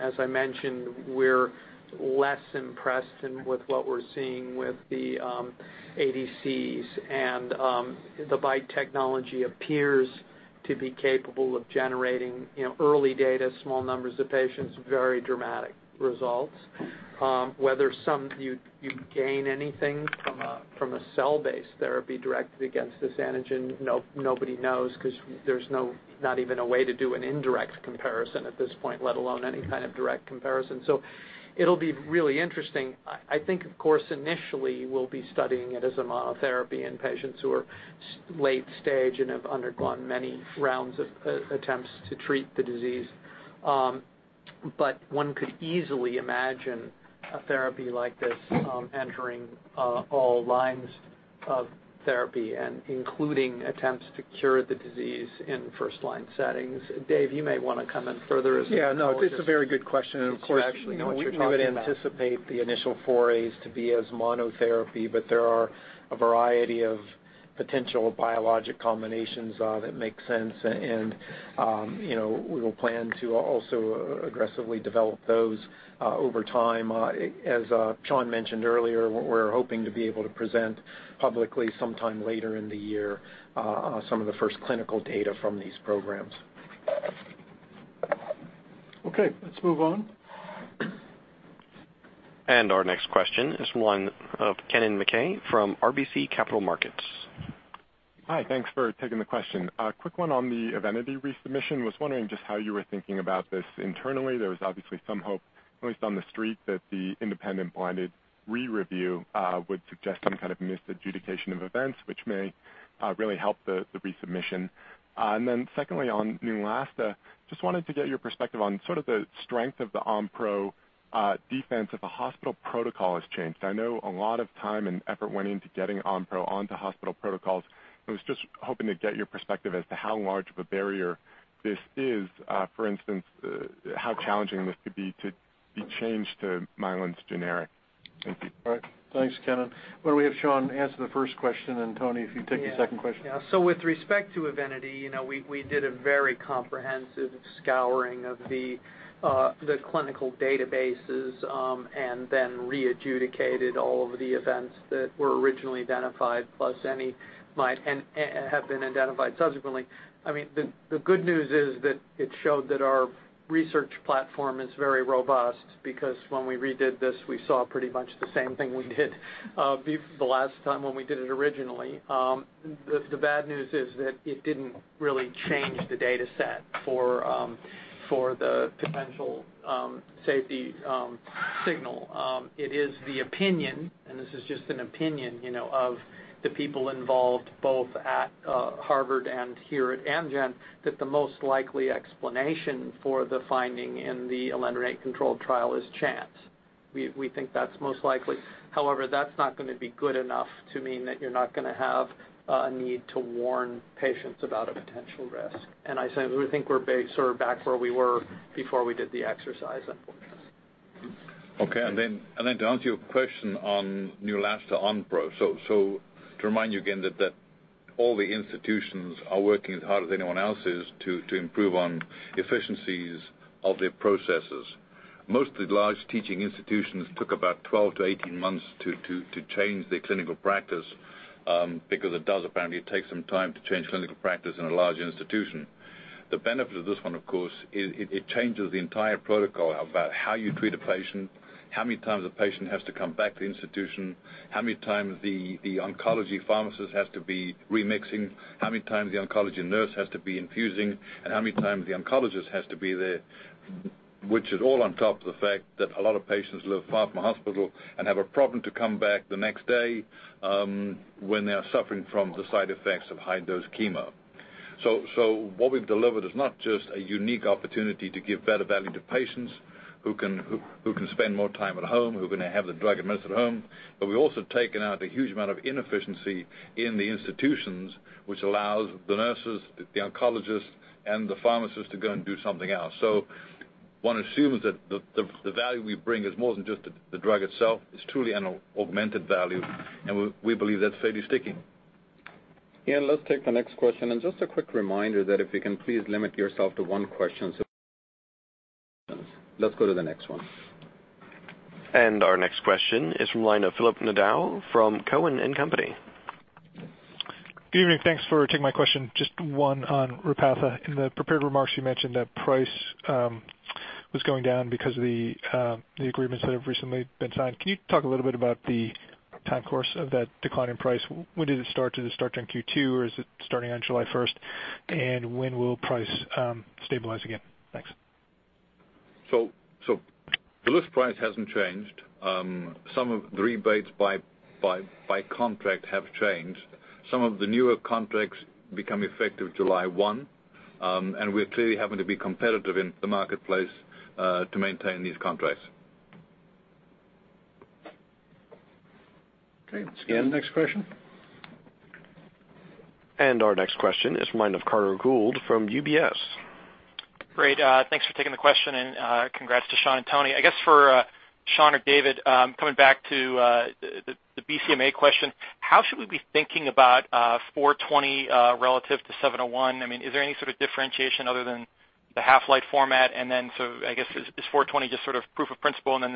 S6: As I mentioned, we're less impressed with what we're seeing with the ADCs. The BiTE technology appears to be capable of generating early data, small numbers of patients, very dramatic results. Whether you gain anything from a cell-based therapy directed against this antigen, nobody knows because there's not even a way to do an indirect comparison at this point, let alone any kind of direct comparison. It'll be really interesting. I think, of course, initially we'll be studying it as a monotherapy in patients who are late-stage and have undergone many rounds of attempts to treat the disease. One could easily imagine a therapy like this entering all lines of therapy and including attempts to cure the disease in first-line settings. Dave, you may want to comment further. Yeah, no, it's a very good question.
S3: It's actually what you're talking about.
S7: you would anticipate the initial forays to be as monotherapy, but there are a variety of potential biologic combinations that make sense. We'll plan to also aggressively develop those over time. As Sean mentioned earlier, we're hoping to be able to present publicly sometime later in the year some of the first clinical data from these programs.
S3: Okay. Let's move on.
S1: Our next question is from the line of Kennen MacKay from RBC Capital Markets.
S17: Hi. Thanks for taking the question. A quick one on the EVENITY resubmission. Was wondering just how you were thinking about this internally. There was obviously some hope, at least on the street, that the independent blinded re-review would suggest some kind of misadjudication of events, which may really help the resubmission. Then secondly, on Neulasta, just wanted to get your perspective on sort of the strength of the Onpro defense if a hospital protocol has changed. I know a lot of time and effort went into getting Onpro onto hospital protocols. I was just hoping to get your perspective as to how large of a barrier this is. For instance, how challenging this could be to be changed to Mylan's generic. Thank you.
S7: All right. Thanks, Kennen. Why don't we have Sean answer the first question, and Tony, if you take the second question.
S6: Yeah. With respect to Evenity, we did a very comprehensive scouring of the clinical databases, and then re-adjudicated all of the events that were originally identified, plus any that might have been identified subsequently. The good news is that it showed that our research platform is very robust, because when we redid this, we saw pretty much the same thing we did the last time when we did it originally. The bad news is that it didn't really change the dataset for the potential safety signal. It is the opinion, and this is just an opinion, of the people involved both at Harvard and here at Amgen, that the most likely explanation for the finding in the alefacept controlled trial is chance. We think that's most likely. However, that's not going to be good enough to mean that you're not going to have a need to warn patients about a potential risk. I said we think we're sort of back where we were before we did the exercise, unfortunately.
S5: Okay, to answer your question on Neulasta Onpro. To remind you again, that all the institutions are working as hard as anyone else is to improve on efficiencies of their processes. Most of the large teaching institutions took about 12 to 18 months to change their clinical practice, because it does apparently take some time to change clinical practice in a large institution. The benefit of this one, of course, it changes the entire protocol about how you treat a patient, how many times a patient has to come back to the institution, how many times the oncology pharmacist has to be remixing, how many times the oncology nurse has to be infusing, and how many times the oncologist has to be there, which is all on top of the fact that a lot of patients live far from the hospital and have a problem to come back the next day, when they are suffering from the side effects of high-dose chemo. What we've delivered is not just a unique opportunity to give better value to patients who can spend more time at home, who can have the drug administered at home, but we've also taken out a huge amount of inefficiency in the institutions, which allows the nurses, the oncologists, and the pharmacist to go and do something else. One assumes that the value we bring is more than just the drug itself. It's truly an augmented value, and we believe that's fairly sticking.
S7: Ian, let's take the next question. Just a quick reminder that if we can please limit yourself to one question. Let's go to the next one.
S1: Our next question is from the line of Phil Nadeau from Cowen and Company.
S18: Good evening. Thanks for taking my question. Just one on Repatha. In the prepared remarks, you mentioned that price was going down because of the agreements that have recently been signed. Can you talk a little bit about the time course of that decline in price? When did it start? Did it start during Q2, or is it starting on July 1st? When will price stabilize again? Thanks.
S5: The list price hasn't changed. Some of the rebates by contract have changed. Some of the newer contracts become effective July 1, and we're clearly having to be competitive in the marketplace to maintain these contracts.
S7: Okay. Let's get the next question.
S1: Our next question is from the line of Carter Gould from UBS.
S19: Great. Thanks for taking the question, and congrats to Sean and Tony. I guess for Sean or David, coming back to the BCMA question, how should we be thinking about 420 relative to 701? Is there any sort of differentiation other than the half-life format? I guess, is 420 just sort of proof of principle and then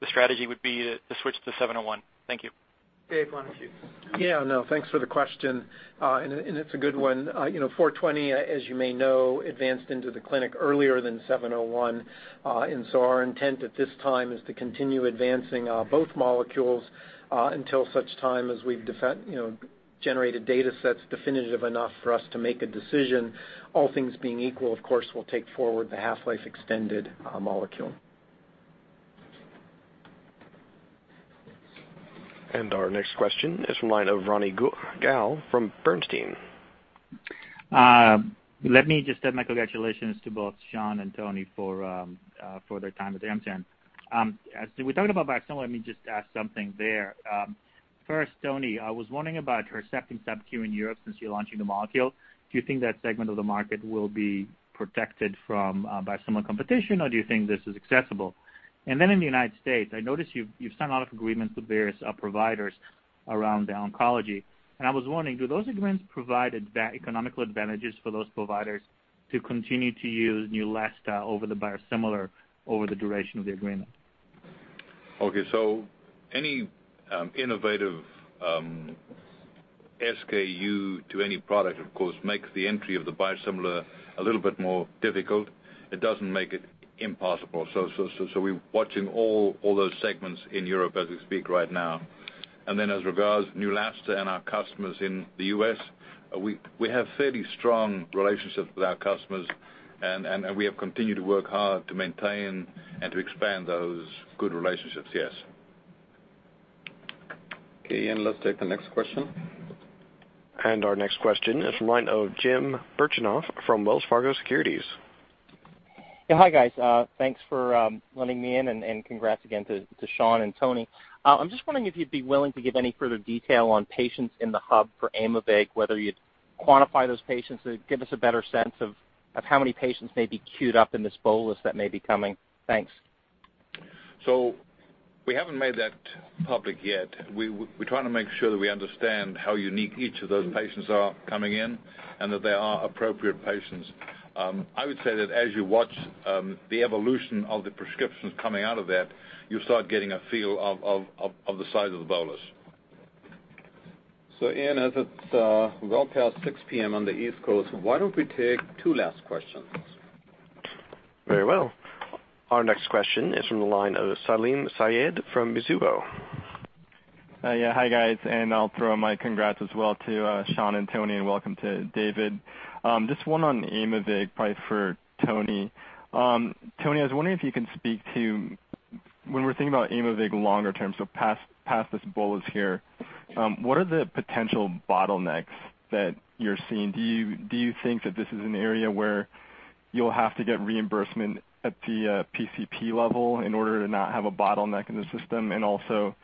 S19: the strategy would be to switch to 701? Thank you.
S6: Dave, why don't you?
S7: Yeah, no, thanks for the question, and it's a good one. 420, as you may know, advanced into the clinic earlier than 701. Our intent at this time is to continue advancing both molecules, until such time as we've generated datasets definitive enough for us to make a decision. All things being equal, of course, we'll take forward the half-life extended molecule.
S1: Our next question is from the line of Ronny Gal from Bernstein.
S20: Let me just add my congratulations to both Sean and Tony for their time at Amgen. We talked about biosimilar, let me just ask something there. First, Tony, I was wondering about Herceptin subcu in Europe since you're launching the molecule. Do you think that segment of the market will be protected from biosimilar competition, or do you think this is accessible? In the United States, I noticed you've signed a lot of agreements with various providers around the oncology, and I was wondering, do those agreements provide economical advantages for those providers to continue to use Neulasta over the biosimilar over the duration of the agreement?
S5: Okay. Any innovative SKU to any product, of course, makes the entry of the biosimilar a little bit more difficult. It doesn't make it impossible. We're watching all those segments in Europe as we speak right now. As regards Neulasta and our customers in the U.S., we have fairly strong relationships with our customers, and we have continued to work hard to maintain and to expand those good relationships, yes.
S2: Okay, Ian, let's take the next question.
S1: Our next question is from the line of Joseph Bancheri from Wells Fargo Securities.
S21: Yeah. Hi, guys. Thanks for letting me in, and congrats again to Sean and Tony. I'm just wondering if you'd be willing to give any further detail on patients in the hub for Aimovig, whether you'd quantify those patients to give us a better sense of how many patients may be queued up in this bolus that may be coming. Thanks.
S5: We haven't made that public yet. We're trying to make sure that we understand how unique each of those patients are coming in, and that they are appropriate patients. I would say that as you watch the evolution of the prescriptions coming out of that, you'll start getting a feel of the size of the bolus.
S2: Ian, as it's well past 6:00 P.M. on the East Coast, why don't we take two last questions?
S1: Very well. Our next question is from the line of Salim Syed from Mizuho.
S22: I'll throw my congrats as well to Sean and Tony, and welcome to David. Just one on Aimovig, probably for Tony. Tony, I was wondering if you can speak to when we're thinking about Aimovig longer term, so past this bolus here, what are the potential bottlenecks that you're seeing? Do you think that this is an area where you'll have to get reimbursement at the PCP level in order to not have a bottleneck in the system? Also,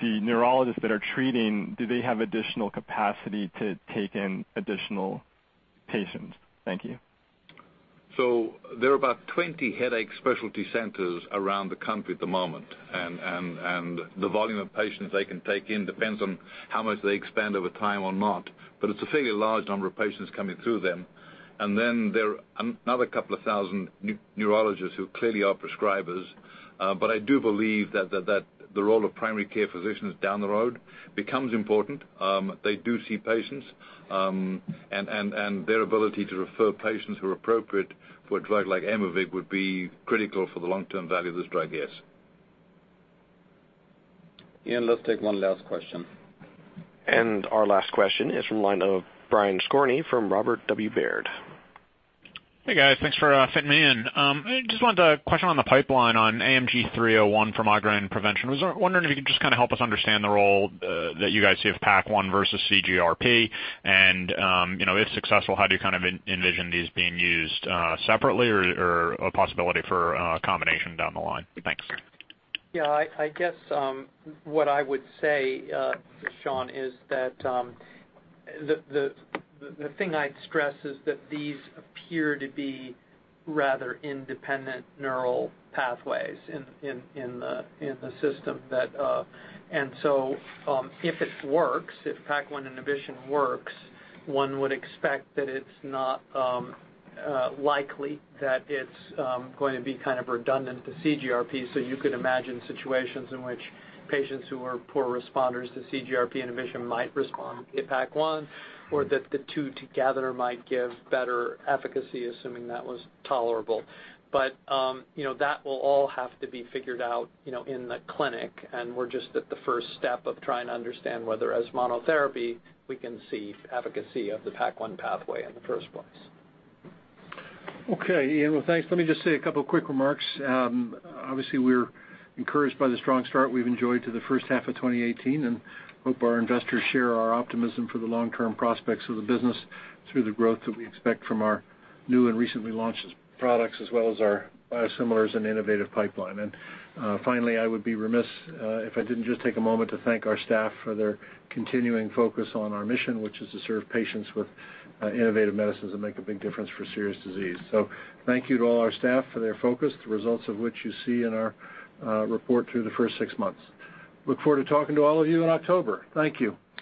S22: the neurologists that are treating, do they have additional capacity to take in additional patients? Thank you.
S5: There are about 20 headache specialty centers around the country at the moment, and the volume of patients they can take in depends on how much they expand over time or not, but it's a fairly large number of patients coming through them. Then there are another couple of thousand neurologists who clearly are prescribers. I do believe that the role of primary care physicians down the road becomes important. They do see patients, and their ability to refer patients who are appropriate for a drug like Aimovig would be critical for the long-term value of this drug, yes.
S2: Ian, let's take one last question.
S1: Our last question is from the line of Brian Skorney from Robert W. Baird.
S23: Hey, guys. Thanks for fitting me in. I just wanted a question on the pipeline on AMG 301 for migraine prevention. Was wondering if you could just kind of help us understand the role that you guys see of PAC1 versus CGRP, and if successful, how do you envision these being used, separately or a possibility for a combination down the line? Thanks.
S6: Yeah, I guess what I would say, Sean, is that the thing I'd stress is that these appear to be rather independent neural pathways in the system. If it works, if PAC1 inhibition works, one would expect that it's not likely that it's going to be kind of redundant to CGRP. You could imagine situations in which patients who are poor responders to CGRP inhibition might respond to PAC1, or that the two together might give better efficacy, assuming that was tolerable. That will all have to be figured out in the clinic, and we're just at the first step of trying to understand whether, as monotherapy, we can see efficacy of the PAC1 pathway in the first place.
S3: Okay, Ian. Well, thanks. Let me just say a couple quick remarks. Obviously, we're encouraged by the strong start we've enjoyed to the first half of 2018, and hope our investors share our optimism for the long-term prospects of the business through the growth that we expect from our new and recently launched products, as well as our biosimilars and innovative pipeline. Finally, I would be remiss if I didn't just take a moment to thank our staff for their continuing focus on our mission, which is to serve patients with innovative medicines that make a big difference for serious disease. Thank you to all our staff for their focus, the results of which you see in our report through the first six months. Look forward to talking to all of you in October. Thank you.